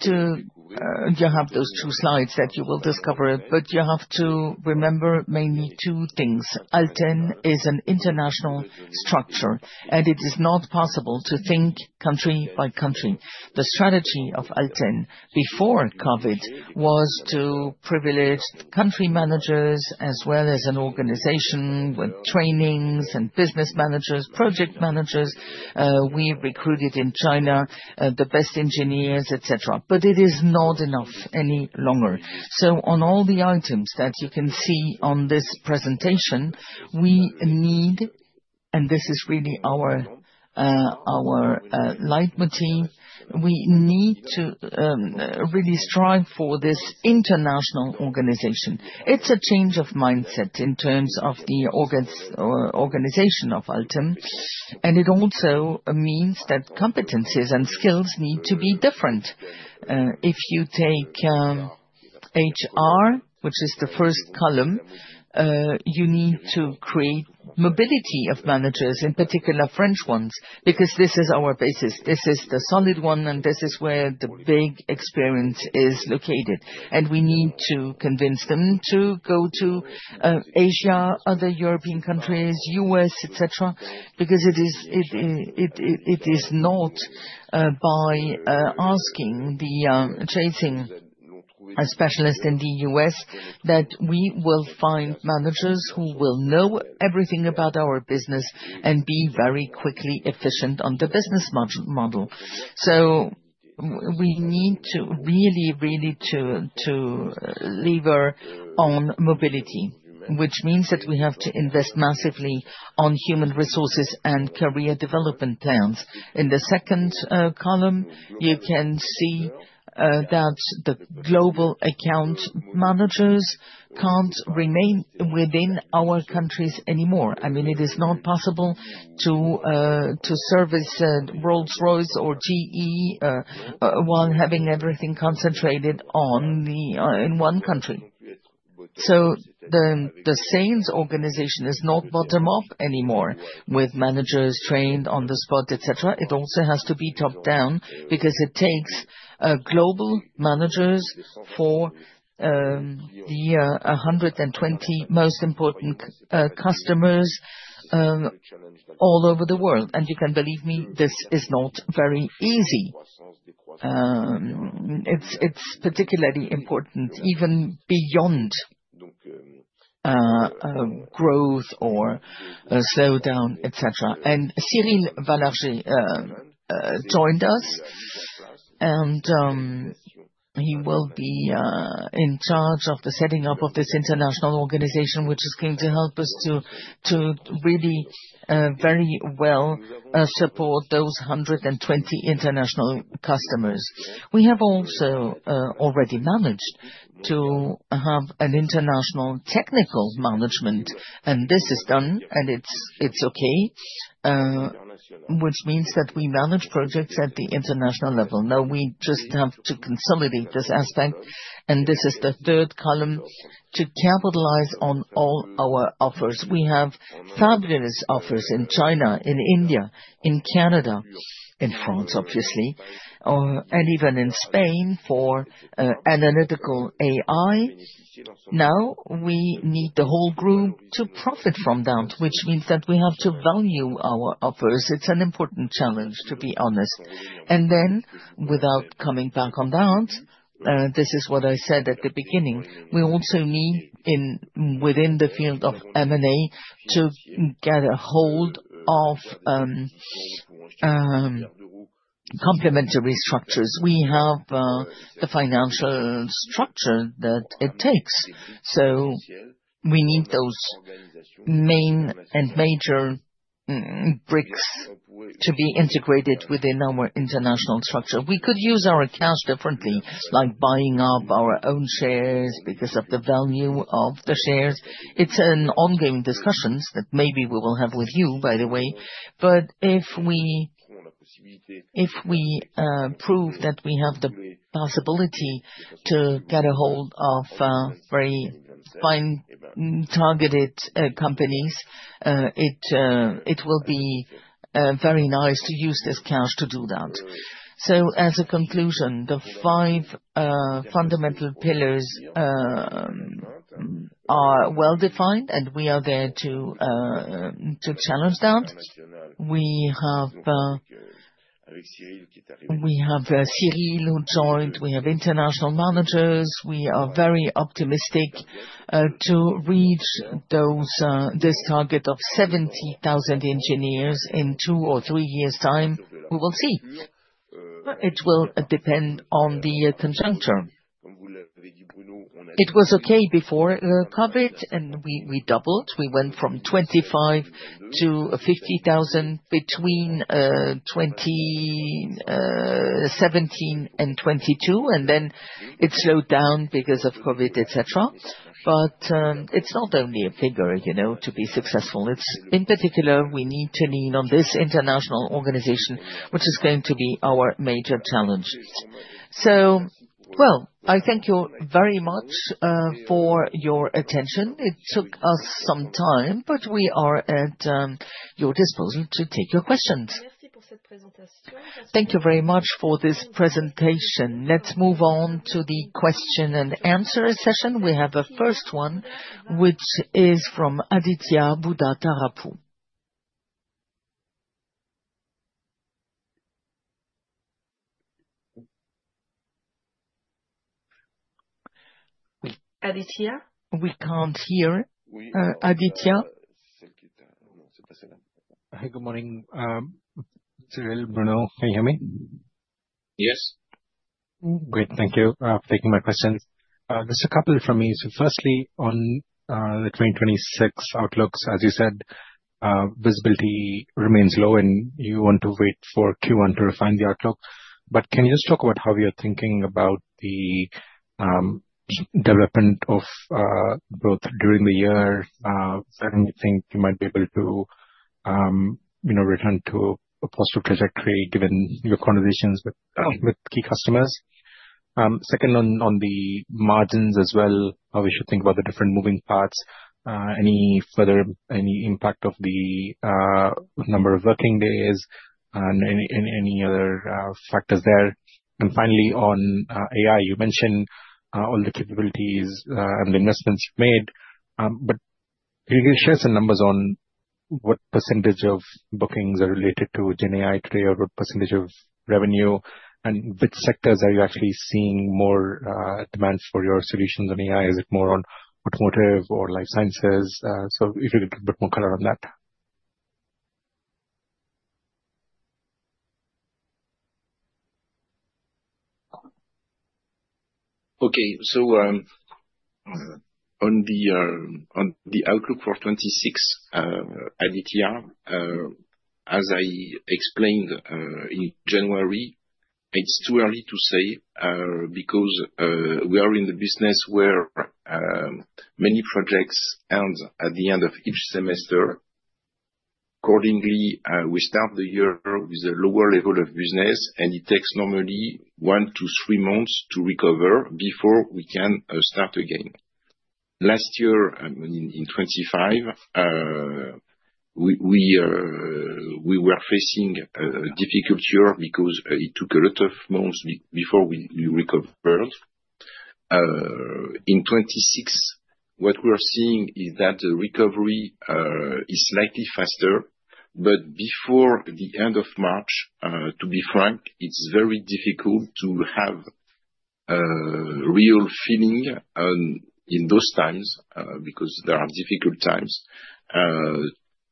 you have those two slides that you will discover, but you have to remember mainly two things. Alten is an international structure, and it is not possible to think country by country. The strategy of Alten before COVID was to privilege country managers as well as an organization with trainings and business managers, project managers. We recruited in China the best engineers, et cetera. It is not enough any longer. On all the items that you can see on this presentation, we need. This is really our leitmotif. We need to really strive for this international organization. It's a change of mindset in terms of the organization of Alten, and it also means that competencies and skills need to be different. If you take HR, which is the first column, you need to create mobility of managers, in particular French ones, because this is our basis. This is the solid one, and this is where the big experience is located. We need to convince them to go to Asia, other European countries, U.S., et cetera, because it is not by chasing a specialist in the U.S. that we will find managers who will know everything about our business and be very quickly efficient on the business model. We need to really to lever on mobility, which means that we have to invest massively on human resources and career development plans. In the second column, you can see that the global account managers can't remain within our countries anymore. I mean, it is not possible to service Rolls-Royce or GE while having everything concentrated in one country. The sales organization is not bottom-up anymore, with managers trained on the spot, et cetera. It also has to be top-down because it takes global managers for the 120 most important customers all over the world. You can believe me, this is not very easy. It's particularly important even beyond growth or a slowdown, et cetera. Cyril Malargé joined us, and he will be in charge of the setting up of this international organization, which is going to help us to really very well support those 120 international customers. We have also already managed to have an international technical management, and this is done, and it's okay, which means that we manage projects at the international level. Now we just have to consolidate this aspect, and this is the third column, to capitalize on all our offers. We have fabulous offers in China, in India, in Canada, in France obviously, and even in Spain for analytical AI. Now we need the whole group to profit from that, which means that we have to value our offers. It's an important challenge, to be honest. Without coming back on that, this is what I said at the beginning. We also need within the field of M&A to get a hold of complementary structures. We have the financial structure that it takes. We need those main and major bricks to be integrated within our international structure. We could use our cash differently, like buying up our own shares because of the value of the shares. It's an ongoing discussions that maybe we will have with you, by the way. If we prove that we have the possibility to get a hold of very fine-targeted companies, it will be very nice to use this cash to do that. As a conclusion, the five fundamental pillars are well-defined, and we are there to challenge that. We have Cyril, who joined. We have international managers. We are very optimistic to reach this target of 70,000 engineers in two or three years' time. We will see. It will depend on the conjuncture. It was okay before COVID, and we doubled. We went from 25 to 50,000 between 2017 and 2022, and then it slowed down because of COVID, et cetera. It's not only a figure, you know, to be successful. It's in particular we need to lean on this international organization, which is going to be our major challenge. Well, I thank you very much for your attention. It took us some time, but we are at your disposal to take your questions. Thank you very much for this presentation. Let's move on to the question and answer session. We have a first one, which is from Aditya Buddhavarapu. Aditya? We can't hear. Aditya? Hi, good morning. Cyril, Bruno, can you hear me? Yes. Great. Thank you for taking my questions. Just a couple from me. Firstly, on the 2026 outlooks, as you said, visibility remains low and you want to wait for Q1 to refine the outlook. Can you just talk about how we are thinking about the development of growth during the year? Certain things you might be able to, you know, return to a positive trajectory given your conversations with key customers. Second, on the margins as well, how we should think about the different moving parts. Any impact of the number of working days and any other factors there. Finally, on AI, you mentioned on the capabilities and the investments made. Can you share some numbers on what percentage of bookings are related to GenAI today, or what percentage of revenue, and which sectors are you actually seeing more demands for your solutions on AI? Is it more on automotive or life sciences? If you could put more color on that. Okay. On the outlook for 2026, as I explained in January, it's too early to say, because we are in the business where many projects end at the end of each semester. Accordingly, we start the year with a lower level of business, and it takes normally one to three months to recover before we can start again. Last year in 2025, we were facing a difficult year because it took a lot of months before we recovered. In 2026, what we are seeing is that the recovery is slightly faster. Before the end of March, to be frank, it's very difficult to have real feeling in those times because they are difficult times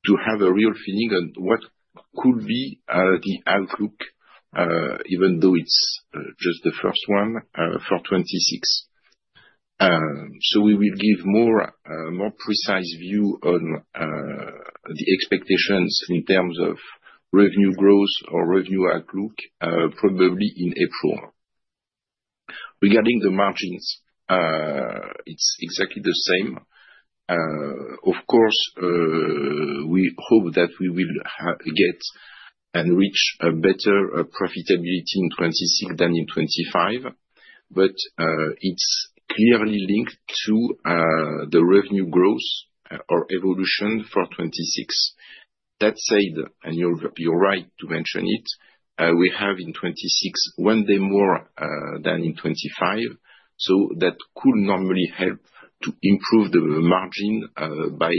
to have a real feeling on what could be the outlook, even though it's just the first one for 2026. We will give more precise view on the expectations in terms of revenue growth or revenue outlook, probably in April. Regarding the margins, it's exactly the same. Of course, we hope that we will get and reach a better profitability in 2026 than in 2025, but it's clearly linked to the revenue growth or evolution for 2026. That said, you're right to mention it, we have in 2026 one day more than in 2025, so that could normally help to improve the margin by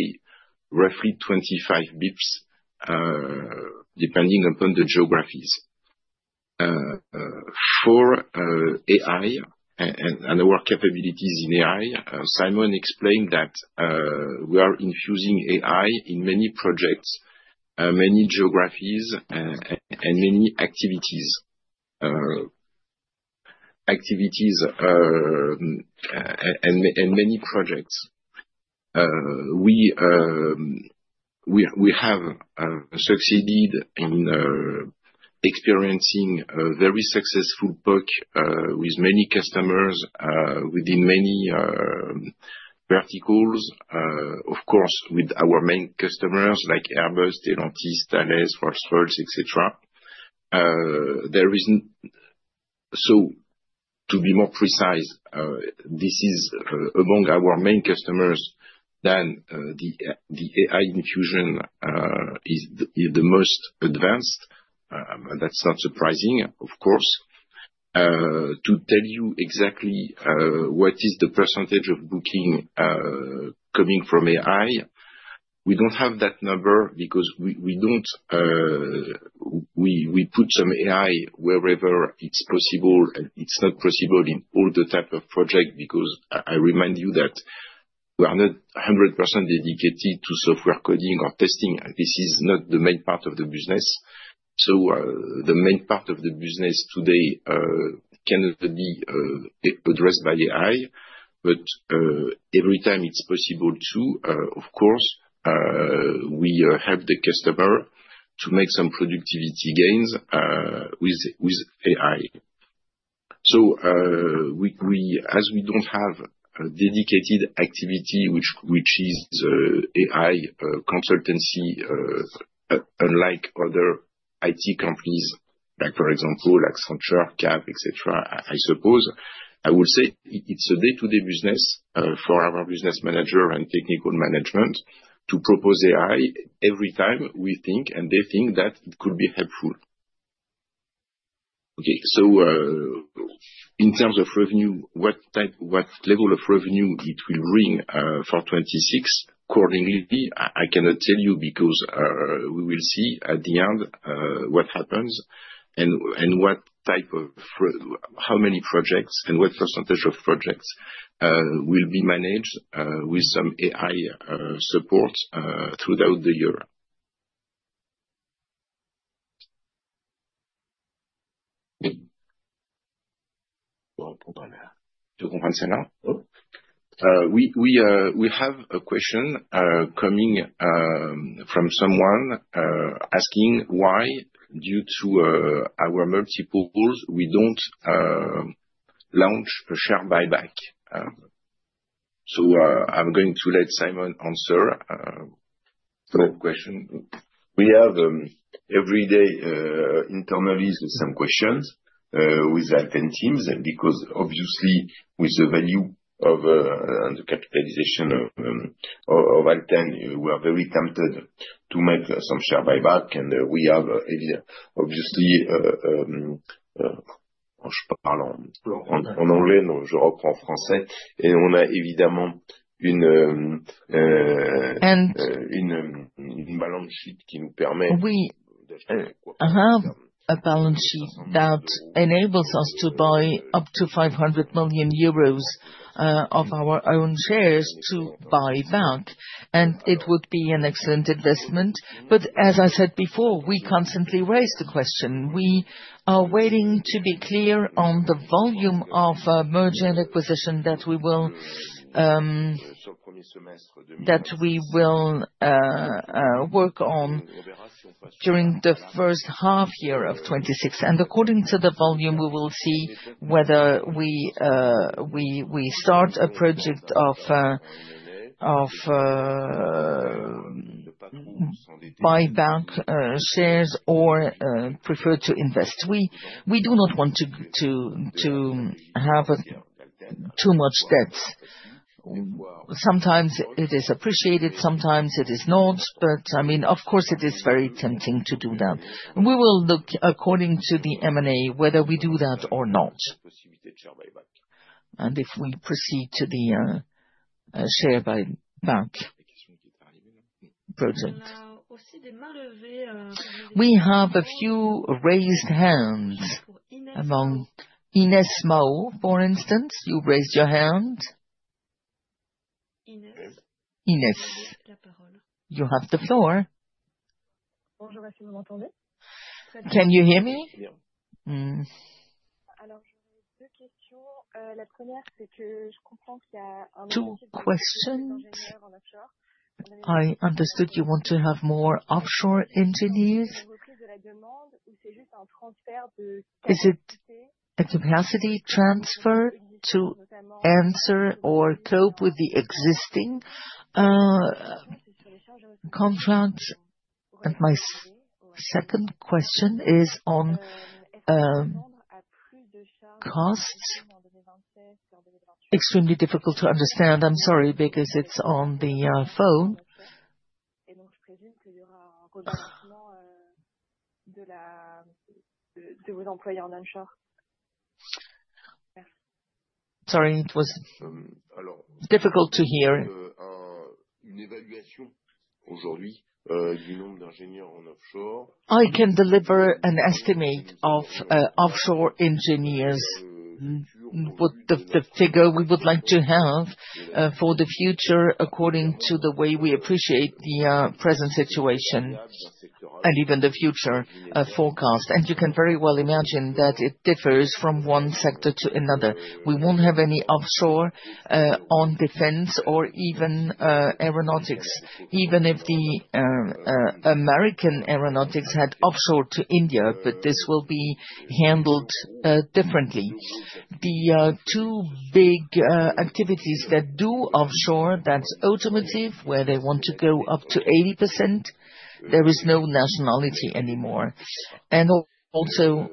roughly 25 basis points, depending upon the geographies. For AI and our capabilities in AI, Simon explained that we are infusing AI in many projects, many geographies, and many activities. We have succeeded in experiencing a very successful PoC with many customers within many verticals. Of course, with our main customers like Airbus, Safran, Thales, Volkswagen, et cetera. So to be more precise, this is among our main customers that the AI infusion is the most advanced. That's not surprising, of course. To tell you exactly what is the percentage of booking coming from AI, we don't have that number because we don't. We put some AI wherever it's possible. It's not possible in all the type of project because I remind you that we are not 100% dedicated to software coding or testing. This is not the main part of the business. The main part of the business today cannot be addressed by AI. Every time it's possible to, of course, we help the customer to make some productivity gains with AI. We don't have a dedicated activity, which is AI consultancy, unlike other IT companies, like for example Accenture, Capgemini, et cetera. I suppose I would say it's a day-to-day business for our business manager and technical management to propose AI every time we think and they think that it could be helpful. Okay. In terms of revenue, what level of revenue it will bring for 2026 accordingly, I cannot tell you because we will see at the end what happens and how many projects and what percentage of projects will be managed with some AI support throughout the year. We have a question coming from someone asking why due to our multiples, we don't launch a share buyback. I'm going to let Simon answer that question. We have every day internally some questions with Alten teams, because obviously with the value of the capitalization of Alten, we are very tempted to make some share buyback. We have obviously, We have a balance sheet that enables us to buy up to 500 million euros of our own shares to buy back. It would be an excellent investment. As I said before, we constantly raise the question. We are waiting to be clear on the volume of merger and acquisition that we will work on during the first half year of 2026. According to the volume, we will see whether we start a project of buyback shares or prefer to invest. We do not want to have too much debt. Sometimes it is appreciated, sometimes it is not. I mean, of course it is very tempting to do that. We will look according to the M&A, whether we do that or not, and if we proceed to the share buyback project. We have a few raised hands among [Ines Mao], for instance, you raised your hand. Ines, you have the floor. Can you hear me? Two questions. I understood you want to have more offshore engineers. Is it a capacity transfer to answer or cope with the existing contract? And my second question is on costs. Extremely difficult to understand. I'm sorry, because it's on the phone. Sorry it was difficult to hear. I can deliver an estimate of offshore engineers. What the figure we would like to have for the future according to the way we appreciate the present situation and even the future forecast. You can very well imagine that it differs from one sector to another. We won't have any offshore on defense or even aeronautics, even if the American aeronautics had offshore to India, but this will be handled differently. The two big activities that do offshore, that's automotive, where they want to go up to 80%. There is no nationality anymore. Also,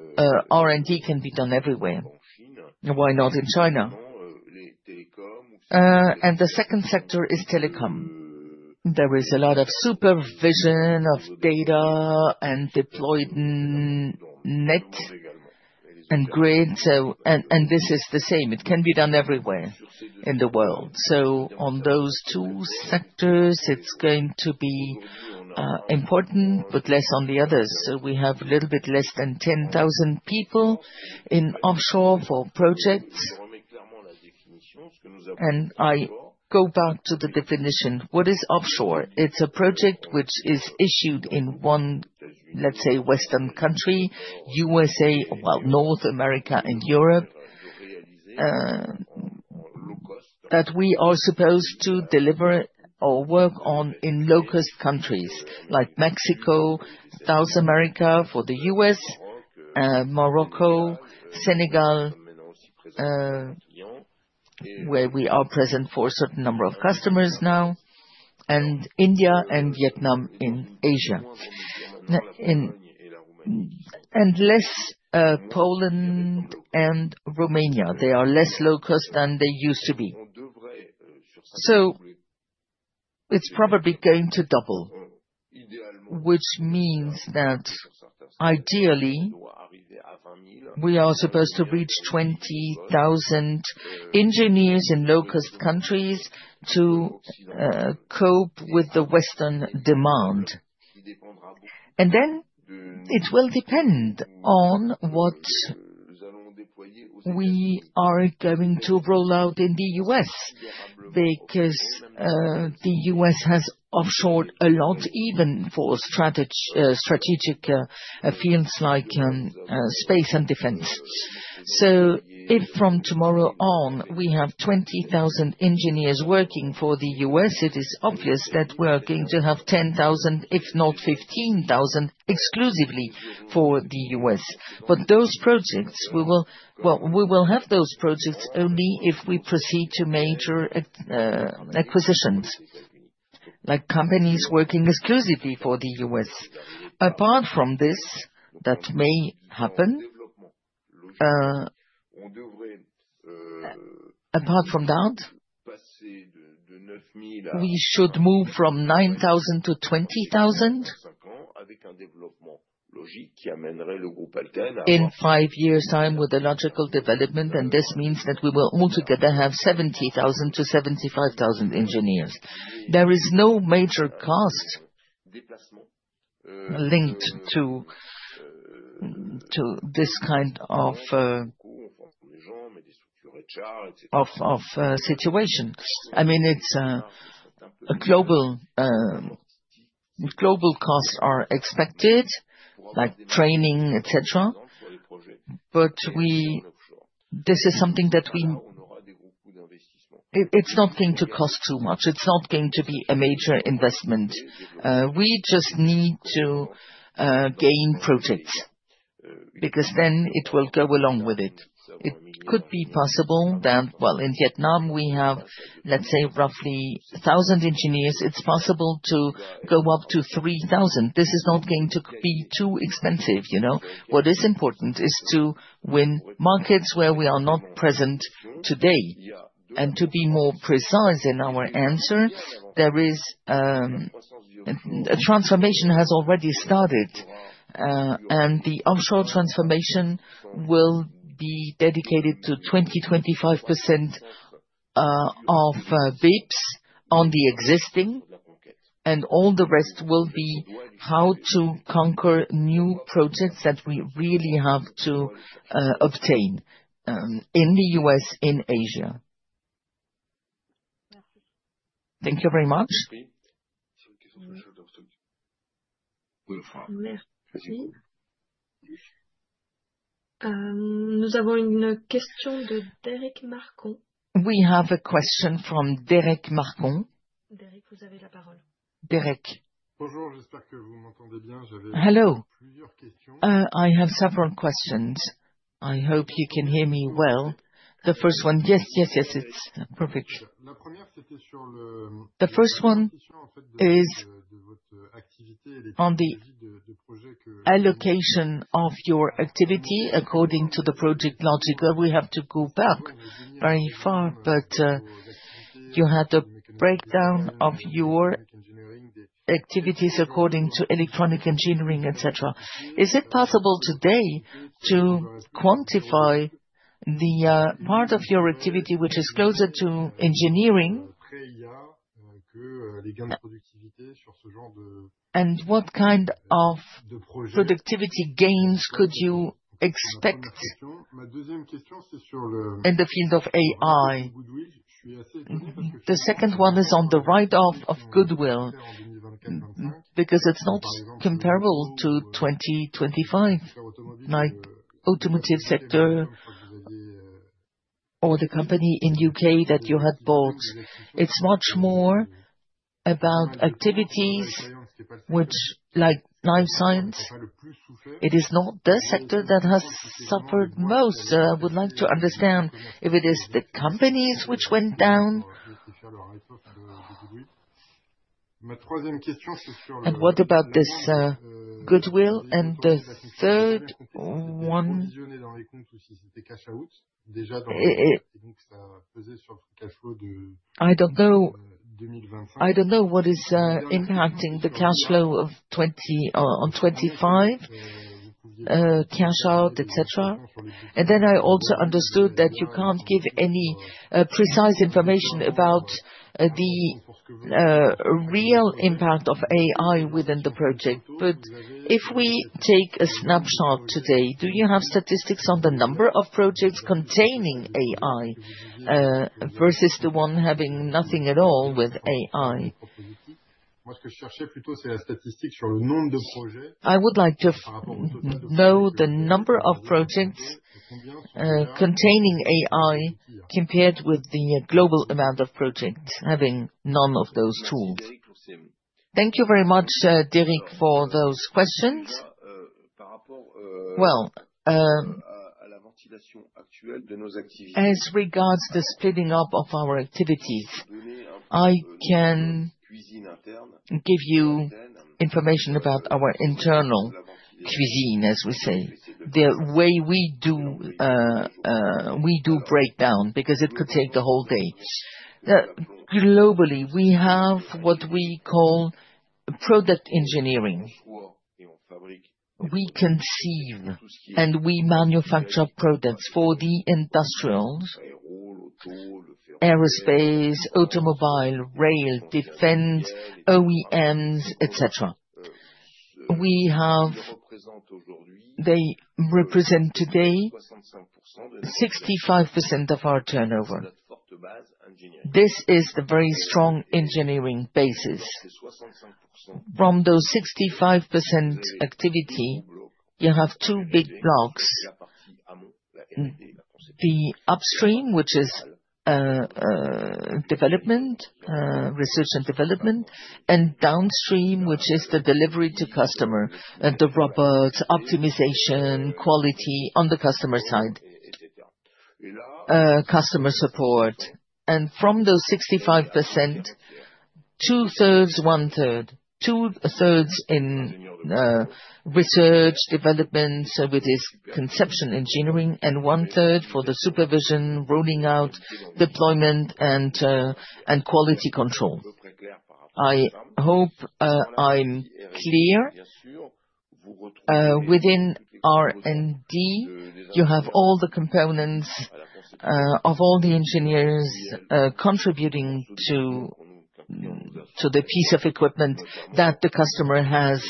R&D can be done everywhere. Why not in China? The second sector is telecom. There is a lot of supervision of data and deployed network and grid. This is the same, it can be done everywhere in the world. On those two sectors, it's going to be important, but less on the others. We have a little bit less than 10,000 people in offshore for projects. I go back to the definition. What is offshore? It's a project which is issued in one, let's say, Western country, USA, well, North America and Europe, that we are supposed to deliver or work on in low-cost countries like Mexico, South America for the U.S., Morocco, Senegal, where we are present for a certain number of customers now, and India and Vietnam in Asia, and Poland and Romania. They are less low cost than they used to be. It's probably going to double, which means that ideally, we are supposed to reach 20,000 engineers in low cost countries to cope with the Western demand. It will depend on what we are going to roll out in the U.S. because the U.S. has offshored a lot, even for strategic fields like space and defense. If from tomorrow on, we have 20,000 engineers working for the U.S., it is obvious that we're going to have 10,000, if not 15,000, exclusively for the U.S. Those projects we will have only if we proceed to major acquisitions, like companies working exclusively for the U.S. Apart from this, that may happen, apart from that, we should move from 9,000 to 20,000 in five years' time with the logical development, and this means that we will altogether have 70,000-75,000 engineers. There is no major cost linked to this kind of situation. I mean, Global costs are expected, like training, et cetera. It's not going to cost too much. It's not going to be a major investment. We just need to gain projects because then it will go along with it. It could be possible that, well, in Vietnam, we have, let's say, roughly 1,000 engineers. It's possible to go up to 3,000. This is not going to be too expensive, you know. What is important is to win markets where we are not present today. To be more precise in our answer, there is a transformation has already started. The offshore transformation will be dedicated to 25% of VIPs on the existing, and all the rest will be how to conquer new projects that we really have to obtain in the U.S., in Asia. Thank you very much. We have a question from Derric Marcon. Hello. I have several questions. I hope you can hear me well. The first one. Yes, yes, it's perfect. The first one is on the allocation of your activity according to the project logic. We have to go back very far, but you had a breakdown of your activities according to electronic engineering, et cetera. Is it possible today to quantify the part of your activity which is closer to engineering? And what kind of productivity gains could you expect in the field of AI? The second one is on the write-off of goodwill because it's not comparable to 2025, like automotive sector or the company in U.K. that you had bought. It's much more about activities which like life science. It is not the sector that has suffered most. I would like to understand if it is the companies which went down. What about this, goodwill and the third one? I don't know what is impacting the cash flow of 2025, cash out, et cetera. I also understood that you can't give any precise information about the real impact of AI within the project. If we take a snapshot today, do you have statistics on the number of projects containing AI versus the one having nothing at all with AI? I would like to know the number of projects containing AI compared with the global amount of projects having none of those tools. Thank you very much, Derric, for those questions. Well, as regards the splitting up of our activities, I can give you information about our internal cuisine, as we say. The way we do breakdown because it could take the whole day. Globally, we have what we call product engineering. We conceive and we manufacture products for the industrials. Aerospace, automobile, rail, defense, OEMs, et cetera. They represent today 65% of our turnover. This is the very strong engineering basis. From those 65% activity, you have two big blocks. The upstream, which is development, research and development, and downstream, which is the delivery to customer, the robots, optimization, quality on the customer side, customer support. From those 65%, two-thirds, one-third. Two-thirds in research, development, so with this conception engineering, and one-third for the supervision, rolling out deployment and quality control. I hope I'm clear. Within R&D, you have all the components of all the engineers contributing to the piece of equipment that the customer has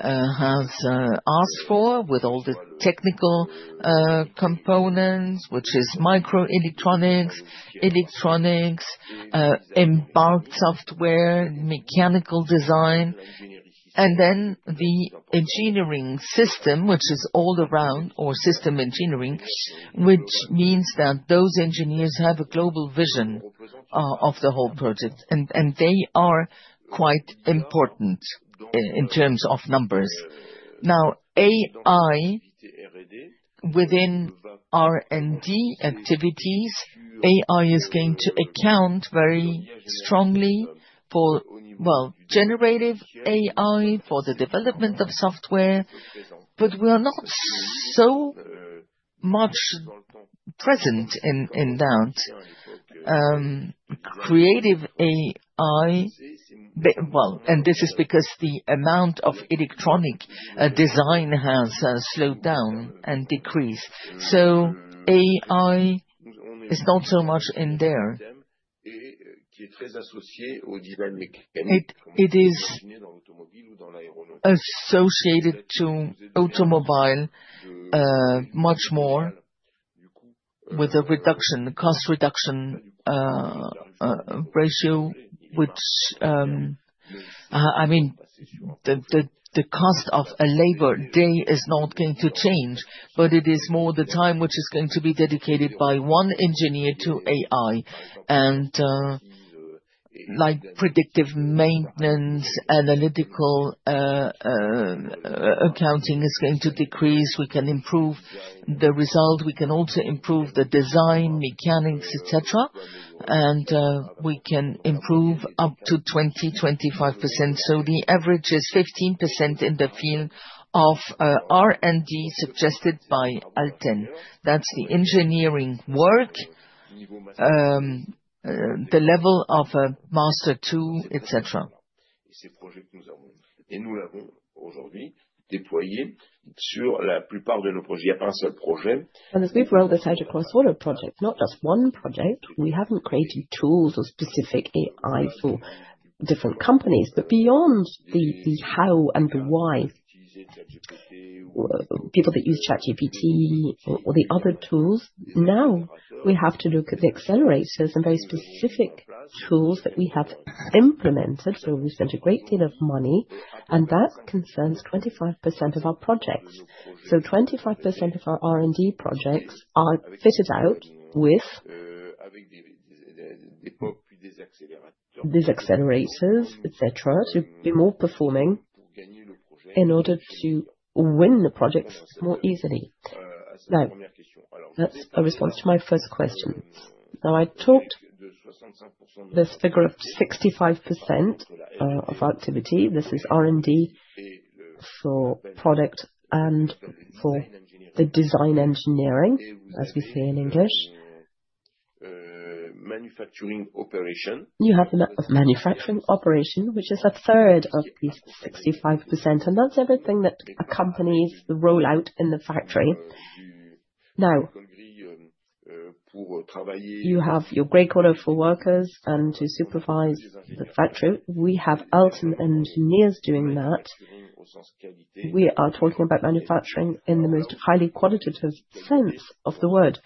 asked for, with all the technical components, which is microelectronics, electronics, embedded software, mechanical design, and then the engineering system, which is all around, or system engineering, which means that those engineers have a global vision of the whole project, and they are quite important in terms of numbers. Now, AI within R&D activities, AI is going to account very strongly for, well, generative AI for the development of software, but we're not so much present in that. Creative AI, well, and this is because the amount of electronics design has slowed down and decreased. AI is not so much in there. It is associated to automotive much more with a reduction, cost reduction ratio, which I mean, the cost of a labor day is not going to change, but it is more the time which is going to be dedicated by one engineer to AI and like predictive maintenance, analytics is going to decrease. We can improve the result, we can also improve the design, mechanics, et cetera. We can improve up to 20-25%. The average is 15% in the field of R&D suggested by Alten. That's the engineering work, the level of a master two, et cetera. As we've rolled this out across all our projects, not just one project, we haven't created tools or specific AI for different companies. Beyond the how and the why, people that use ChatGPT or the other tools, now we have to look at the accelerators and those specific tools that we have implemented. We spent a great deal of money, and that concerns 25% of our projects. 25% of our R&D projects are fitted out with these accelerators, et cetera, to be more performing in order to win the projects more easily. Now, that's a response to my first question. Now I talked this figure of 65% of activity. This is R&D for product and for the design engineering, as we say in English. You have the manufacturing operation, which is a third of this 65%, and that's everything that accompanies the rollout in the factory. Now, you have your gray collar for workers and to supervise the factory. We have Alten engineers doing that. We are talking about manufacturing in the most highly qualitative sense of the word.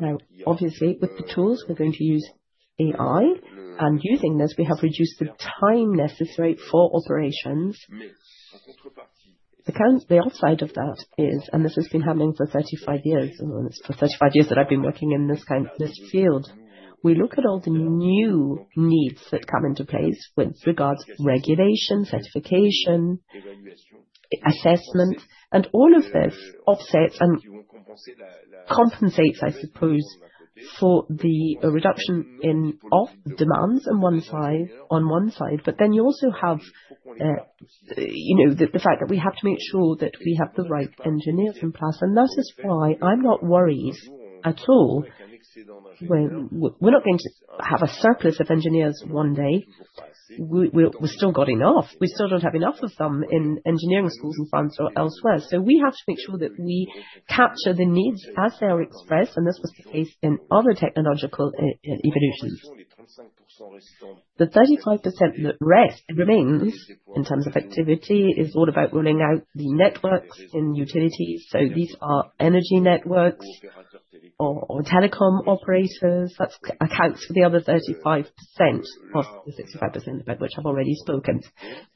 Now, obviously, with the tools, we're going to use AI, and using this, we have reduced the time necessary for operations. The other side of that is, and this has been happening for 35 years, it's for 35 years that I've been working in this field. We look at all the new needs that come into place with regards to regulation, certification, assessment, and all of this offsets and compensates, I suppose, for the reduction in labor demands on one side. You also have, you know, the fact that we have to make sure that we have the right engineers in place. This is why I'm not worried at all when We're not going to have a surplus of engineers one day. We still don't have enough of them in engineering schools in France or elsewhere. We have to make sure that we capture the needs as they are expressed, and this was the case in other technological evolutions. The 35% that remains in terms of activity is all about rolling out the networks in utilities. These are energy networks or telecom operators. That accounts for the other 35% of the 65% about which I've already spoken.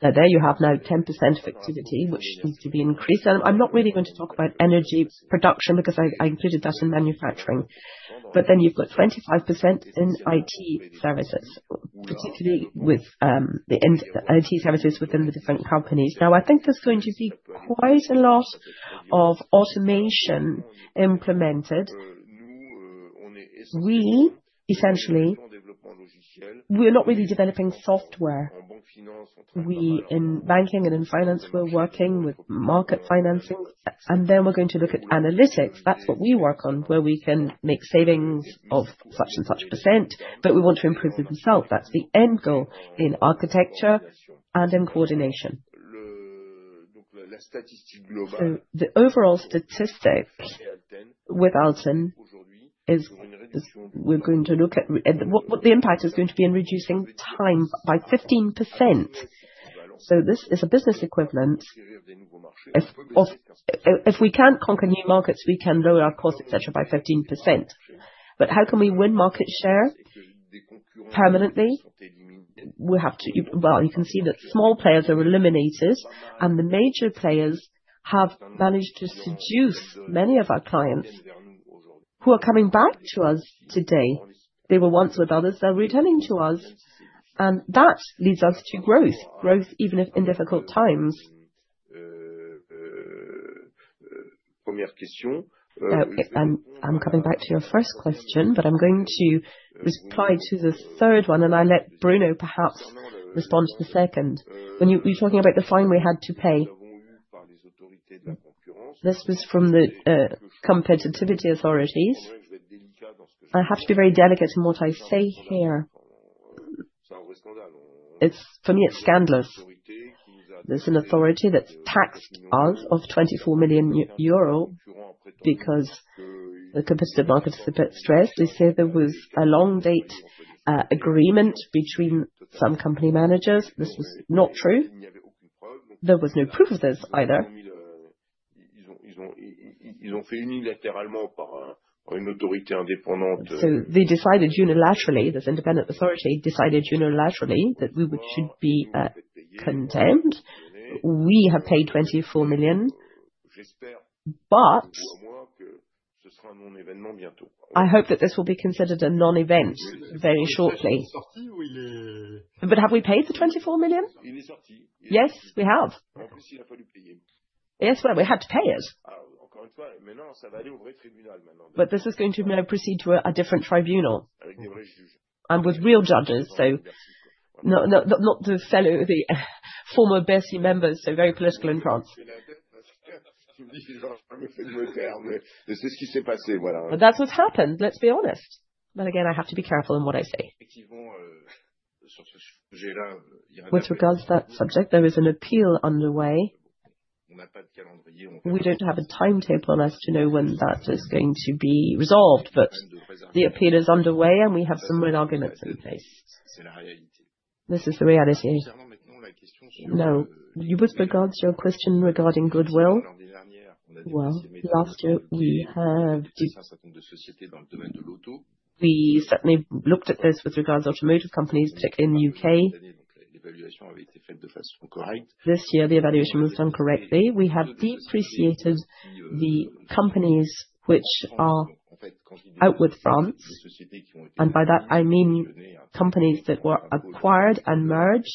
There you have now 10% of activity, which needs to be increased. I'm not really going to talk about energy production because I included that in manufacturing. You've got 25% in IT services, particularly with the in IT services within the different companies. Now, I think there's going to be quite a lot of automation implemented. We essentially we're not really developing software. We in banking and in finance, we're working with market financing. We're going to look at analytics. That's what we work on, where we can make savings of such and such %, but we want to improve the result. That's the end goal in architecture and in coordination. The overall statistic with Alten is that we're going to look at what the impact is going to be in reducing time by 15%. This is a business equivalent. If we can't conquer new markets, we can lower our costs, et cetera, by 15%. How can we win market share permanently? Well, you can see that small players are eliminated, and the major players have managed to seduce many of our clients who are coming back to us today. They were once with others, they're returning to us, and that leads us to growth even if in difficult times. I'm coming back to your first question, but I'm going to reply to the third one, and I'll let Bruno perhaps respond to the second. When you're talking about the fine we had to pay. This was from the competition authorities. I have to be very delicate in what I say here. It's for me, it's scandalous. There's an authority that's fined us 24 million euro because the competitive market is a bit stressed. They say there was a long-dated agreement between some company managers. This was not true. There was no proof of this either. They decided unilaterally, this independent authority decided that we should be condemned. We have paid 24 million, but I hope that this will be considered a non-event very shortly. Have we paid the 24 million? Yes, we have. Yes, well, we had to pay it. This is going to now proceed to a different tribunal and with real judges. Not the fellow, the former Bercy members, so very political in France. That's what happened, let's be honest. Again, I have to be careful in what I say. With regards to that subject, there is an appeal underway. We don't have a timetable on us to know when that is going to be resolved, but the appeal is underway, and we have some good arguments in place. This is the reality. Now, with regards to your question regarding goodwill. Well, last year we have de... We certainly looked at this with regards to automotive companies, particularly in the UK. This year, the evaluation was done correctly. We have depreciated the companies which are out with France, and by that, I mean companies that were acquired and merged.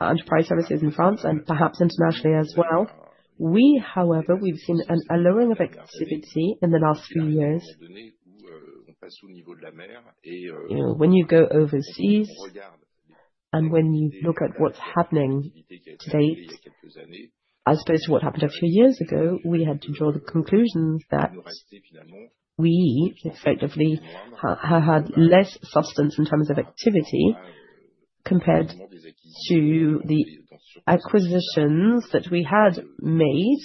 Enterprise services in France and perhaps internationally as well. We, however, we've seen a lowering of activity in the last few years. You know, when you go overseas and when you look at what's happening today, as opposed to what happened a few years ago, we had to draw the conclusions that we effectively have had less substance in terms of activity compared to the acquisitions that we had made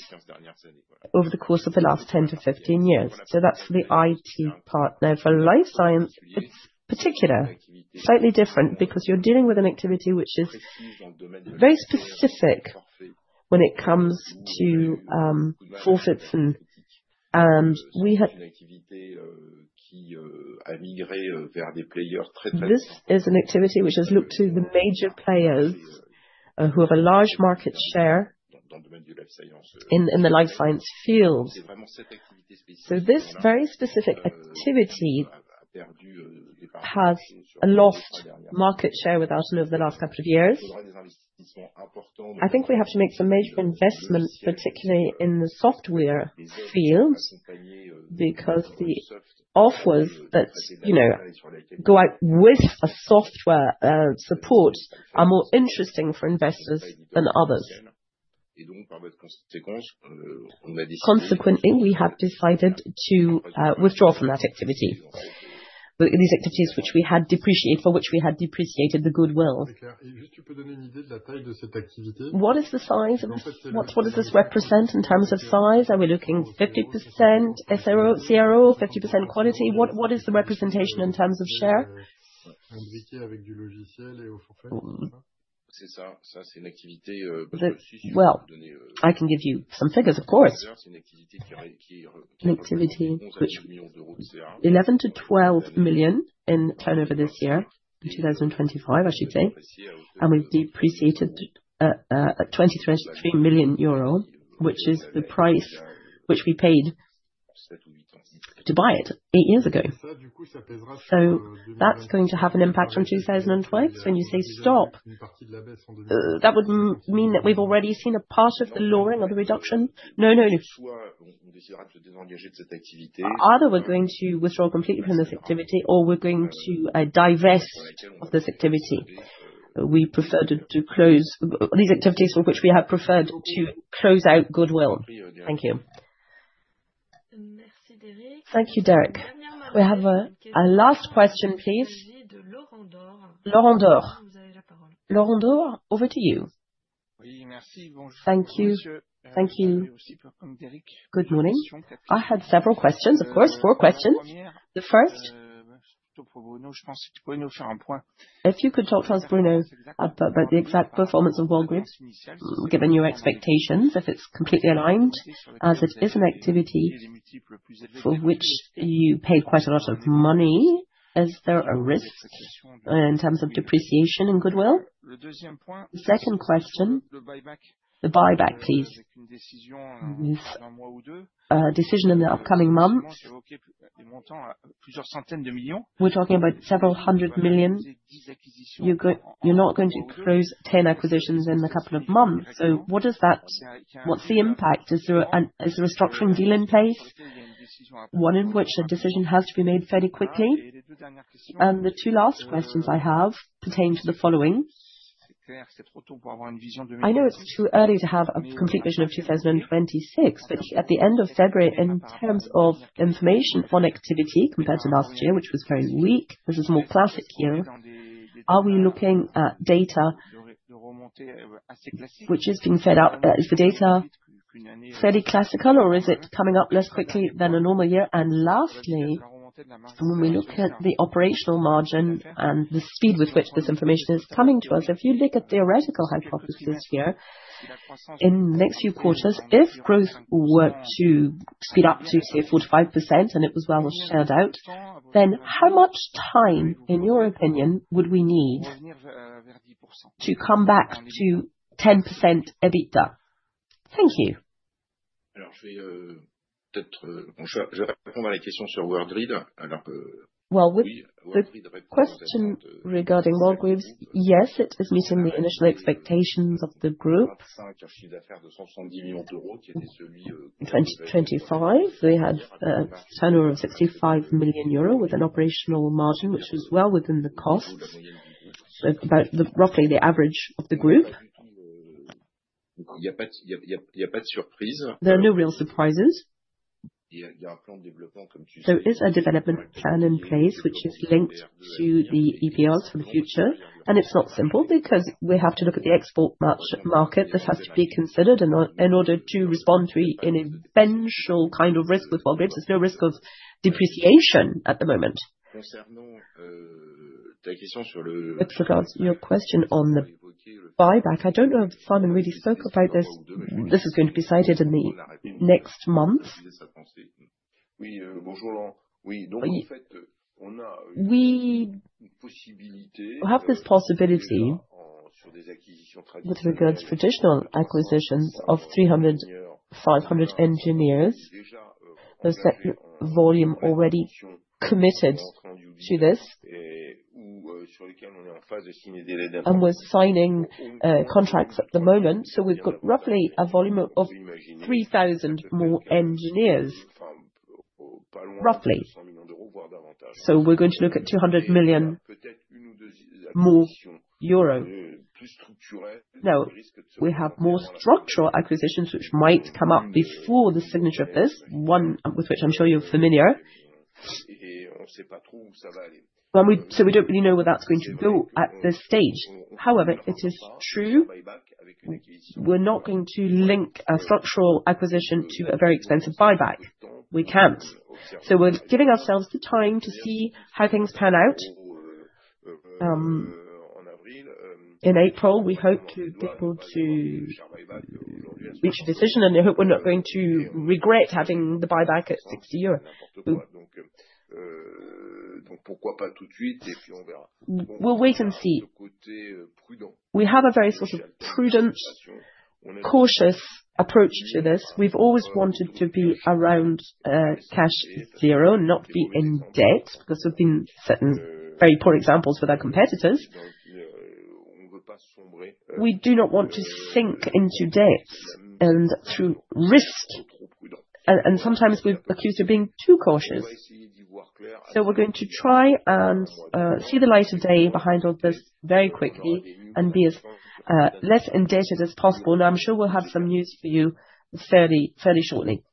over the course of the last 10 to 15 years. That's the IT part. Now for life science, it's particular. Slightly different because you're dealing with an activity which is very specific. This is an activity which has looked to the major players who have a large market share in the life sciences field. This very specific activity has lost market share with us over the last couple of years. I think we have to make some major investments, particularly in the software field, because the offers that, you know, go out with a software support are more interesting for investors than others. Donc, par voie de conséquence, on a décidé. Consequently, we have decided to withdraw from that activity. These activities which we had depreciated, for which we had depreciated the goodwill. Juste, tu peux donner une idée de la taille de cette activité? What does this represent in terms of size? Are we looking 50% CRO, 50% quality? What is the representation in terms of share? Invité avec du logiciel et au forfait, c'est ça? C'est ça. Ça, c'est une activité. Well, I can give you some figures, of course. An activity which 11-12 million in turnover this year, in 2025, I should say. We've depreciated a 23 million euro, which is the price which we paid to buy it eight years ago. That's going to have an impact on 2025. When you say stop, that would mean that we've already seen a part of the lowering or the reduction. No, no. Soit on désirera se désengager de cette activité. Either we're going to withdraw completely from this activity, or we're going to divest of this activity. We prefer to close these activities for which we have preferred to close out goodwill. Thank you. Merci, Derric. Thank you, Derric. Dernière remarque et dernière question qui vient de Laurent Daure. We have a last question, please. Laurent Daure. Laurent Daure, over to you. Oui, merci. Bonjour, monsieur. Bonjour. J'avais aussi pour, comme Derric, plusieurs questions. Très vite. La première, plutôt pour Bruno. Je pense si tu pouvais nous faire un point. Thank you. Thank you. Good morning. I had several questions, of course, four questions. The first, if you could talk to us, Bruno, about the exact performance of Worldgrid, given your expectations, if it's completely aligned, as it is an activity for which you pay quite a lot of money. Is there a risk in terms of depreciation in goodwill? Second question, the buyback, please. With a decision in the upcoming months. We're talking about several hundred million EUR. You're not going to close 10 acquisitions in a couple of months. So what's the impact? Is there a structuring deal in place? One in which a decision has to be made fairly quickly. The two last questions I have pertain to the following. I know it's too early to have a complete vision of 2026, but at the end of February, in terms of information on activity compared to last year, which was very weak, this is more classic here. Are we looking at data which is being fed out? Is the data fairly classical, or is it coming up less quickly than a normal year? Lastly, when we look at the operational margin and the speed with which this information is coming to us, if you look at theoretical hypothesis here, in the next few quarters, if growth were to speed up to, say, 4%-5%, and it was well shared out, then how much time, in your opinion, would we need to come back to 10% EBITDA? Thank you. Bon, je vais répondre à la question sur Worldgrid. Oui, Worldgrid répond à l'ensemble des attentes initiales. Well, with the question regarding Worldgrid, yes, it was meeting the initial expectations of the group. 25, un chiffre d'affaires de EUR 170 million, qui était celui, In 2025, they had a turnover of 65 million euro with an operational margin, which was well within the costs, about roughly the average of the group. Il y a pas du tout. Il y a pas de surprise. There are no real surprises. Il y a un plan de développement, comme tu le dis. There is a development plan in place which is linked to the EPRs for the future. It's not simple because we have to look at the export market that has to be considered in order to respond to any eventual kind of risk with Worldgrid. There's no risk of depreciation at the moment. Concernant ta question sur le buyback. J'ignore si Simon a vraiment spécifié ça. Ça va être décidé dans les prochains mois. Yes, good morning Laurent. Yes, so, in fact, we have a possibility already on traditional acquisitions of 300-500 engineers. We have a volume already engaged, in the process of finalizing, and on which we are in the phase of signing letters of intent. So we have, roughly a volume of 3,000 more engineers. Roughly. We're going to look at 200 million more euro. Now, we have more structural acquisitions which might come up before the signature of this, one with which I'm sure you're familiar. We don't really know where that's going to go at this stage. However, it is true we're not going to link a structural acquisition to a very expensive buyback. We can't. We're giving ourselves the time to see how things pan out. In April, we hope to be able to reach a decision, and I hope we're not going to regret having the buyback at EUR 60. We'll wait and see. We have a very sort of prudent, cautious approach to this. We've always wanted to be around cash zero, not be in debt, because we've seen certain very poor examples with our competitors. We do not want to sink into debt and through risk. Sometimes we're accused of being too cautious. We're going to try and see the light of day behind all this very quickly and be as less indebted as possible. I'm sure we'll have some news for you fairly shortly.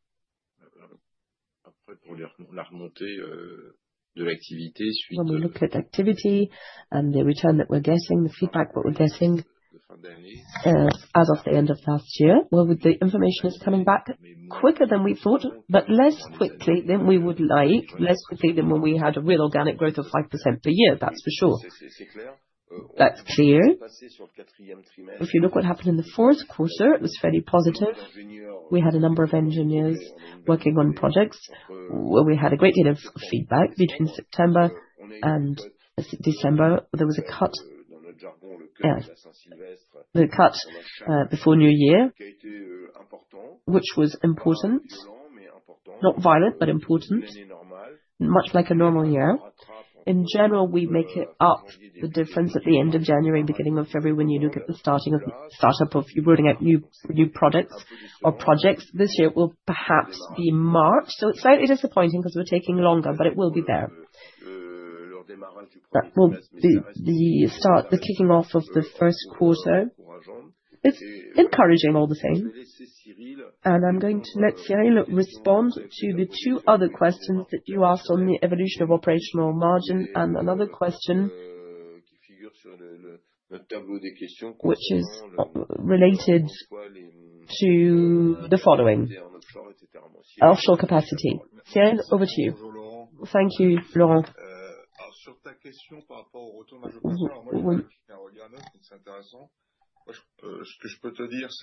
When we look at activity and the return that we're getting, the feedback that we're getting, as of the end of last year, well, the information is coming back quicker than we thought, but less quickly than we would like. Less quickly than when we had a real organic growth of 5% per year, that's for sure. That's clear. If you look what happened in the fourth quarter, it was fairly positive. We had a number of engineers working on projects, where we had a great deal of feedback between September and December. There was a cut, the cut, before New Year, which was important. Not violent, but important. Much like a normal year. In general, we make it up, the difference, at the end of January, beginning of February, when you look at the start-up of building up new products or projects. This year, it will perhaps be March. It's slightly disappointing because we're taking longer, but it will be there. That will be the start, the kicking off of the first quarter. It's encouraging all the same. I'm going to let Cyril respond to the two other questions that you asked on the evolution of operational margin and another question which is related to the following, offshore capacity. Cyril, over to you. Thank you, Laurent.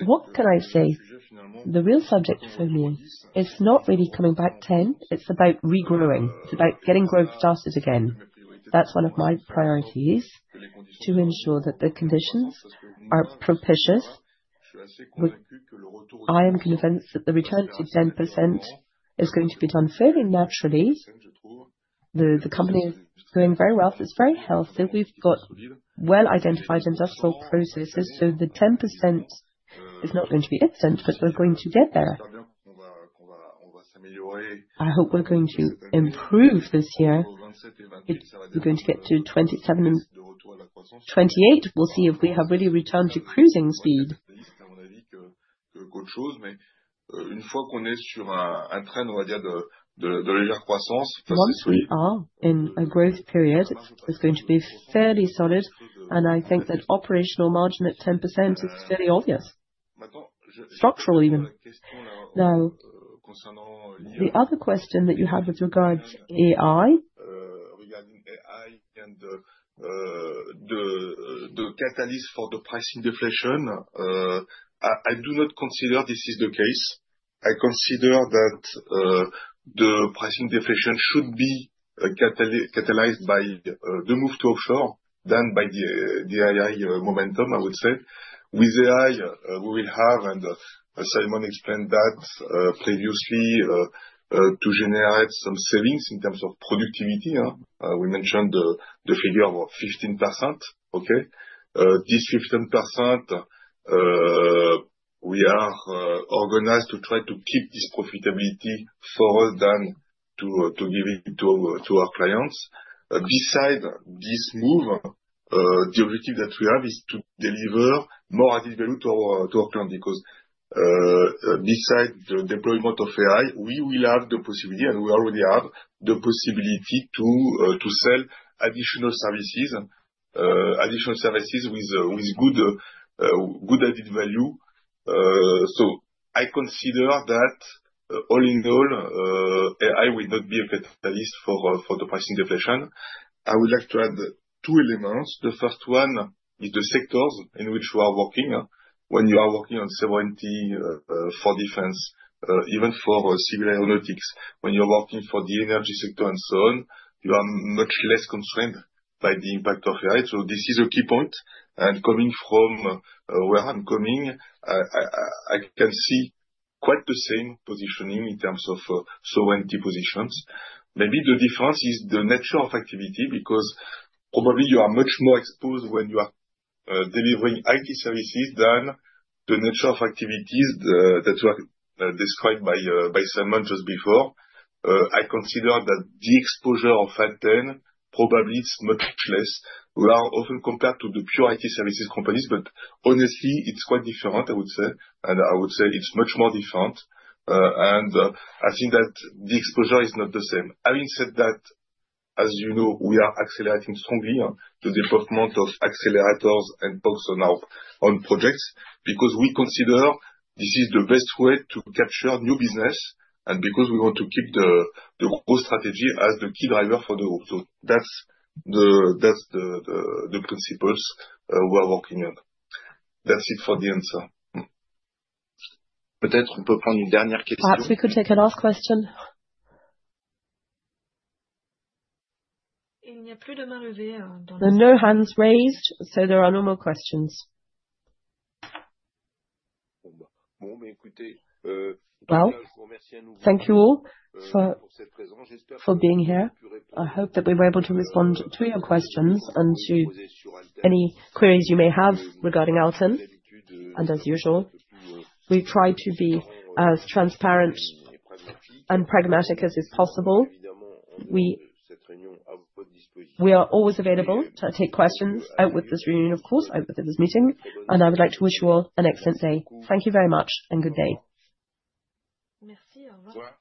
What can I say? The real subject for me is not really coming back 10, it's about regrowing. It's about getting growth started again. That's one of my priorities, to ensure that the conditions are propitious. I am convinced that the return to 10% is going to be done fairly naturally. The company is doing very well, it's very healthy. We've got well-identified industrial processes, so the 10% is not going to be absent, but we're going to get there. I hope we're going to improve this year. If we're going to get to 27 and 28, we'll see if we have really returned to cruising speed. Once we are in a growth period, it's going to be fairly solid, and I think that operational margin at 10% is very obvious. Structurally even. Now, the other question that you have with regards AI. Regarding AI and the catalyst for the pricing deflation, I do not consider this is the case. I consider that the pricing deflation should be catalyzed by the move to offshore than by the AI momentum, I would say. With AI, we will have, and Simon explained that previously, to generate some savings in terms of productivity. We mentioned the figure of 15%, okay? This 15%, we are organized to try to keep this profitability for us than to give it to our clients. Besides this move, the objective that we have is to deliver more added value to our client because, besides the deployment of AI, we will have the possibility, and we already have the possibility to sell additional services and additional services with good added value. I consider that all in all, AI will not be a catalyst for the pricing deflation. I would like to add two elements. The first one is the sectors in which we are working. When you are working on sovereignty for defense, even for civil aeronautics, when you're working for the energy sector and so on, you are much less constrained by the impact of AI. This is a key point. Coming from where I'm coming, I can see quite the same positioning in terms of sovereignty positions. Maybe the difference is the nature of activity because probably you are much more exposed when you are delivering IT services than the nature of activities that were described by Simon just before. I consider that the exposure of Alten probably is much less. We are often compared to the pure IT services companies, but honestly it's quite different I would say. I would say it's much more different. I think that the exposure is not the same. Having said that, as you know, we are accelerating strongly the development of accelerators and also now on projects because we consider this is the best way to capture new business and because we want to keep the growth strategy as the key driver for the group. That's the principles we are working on. That's it for the answer. Perhaps we could take a last question. There are no hands raised, so there are no more questions. Well, thank you all for being here. I hope that we were able to respond to your questions and to any queries you may have regarding Alten. As usual, we try to be as transparent and pragmatic as is possible. We are always available to take questions outside of this meeting, and I would like to wish you all an excellent day. Thank you very much and good day. Thank you. Au revoir.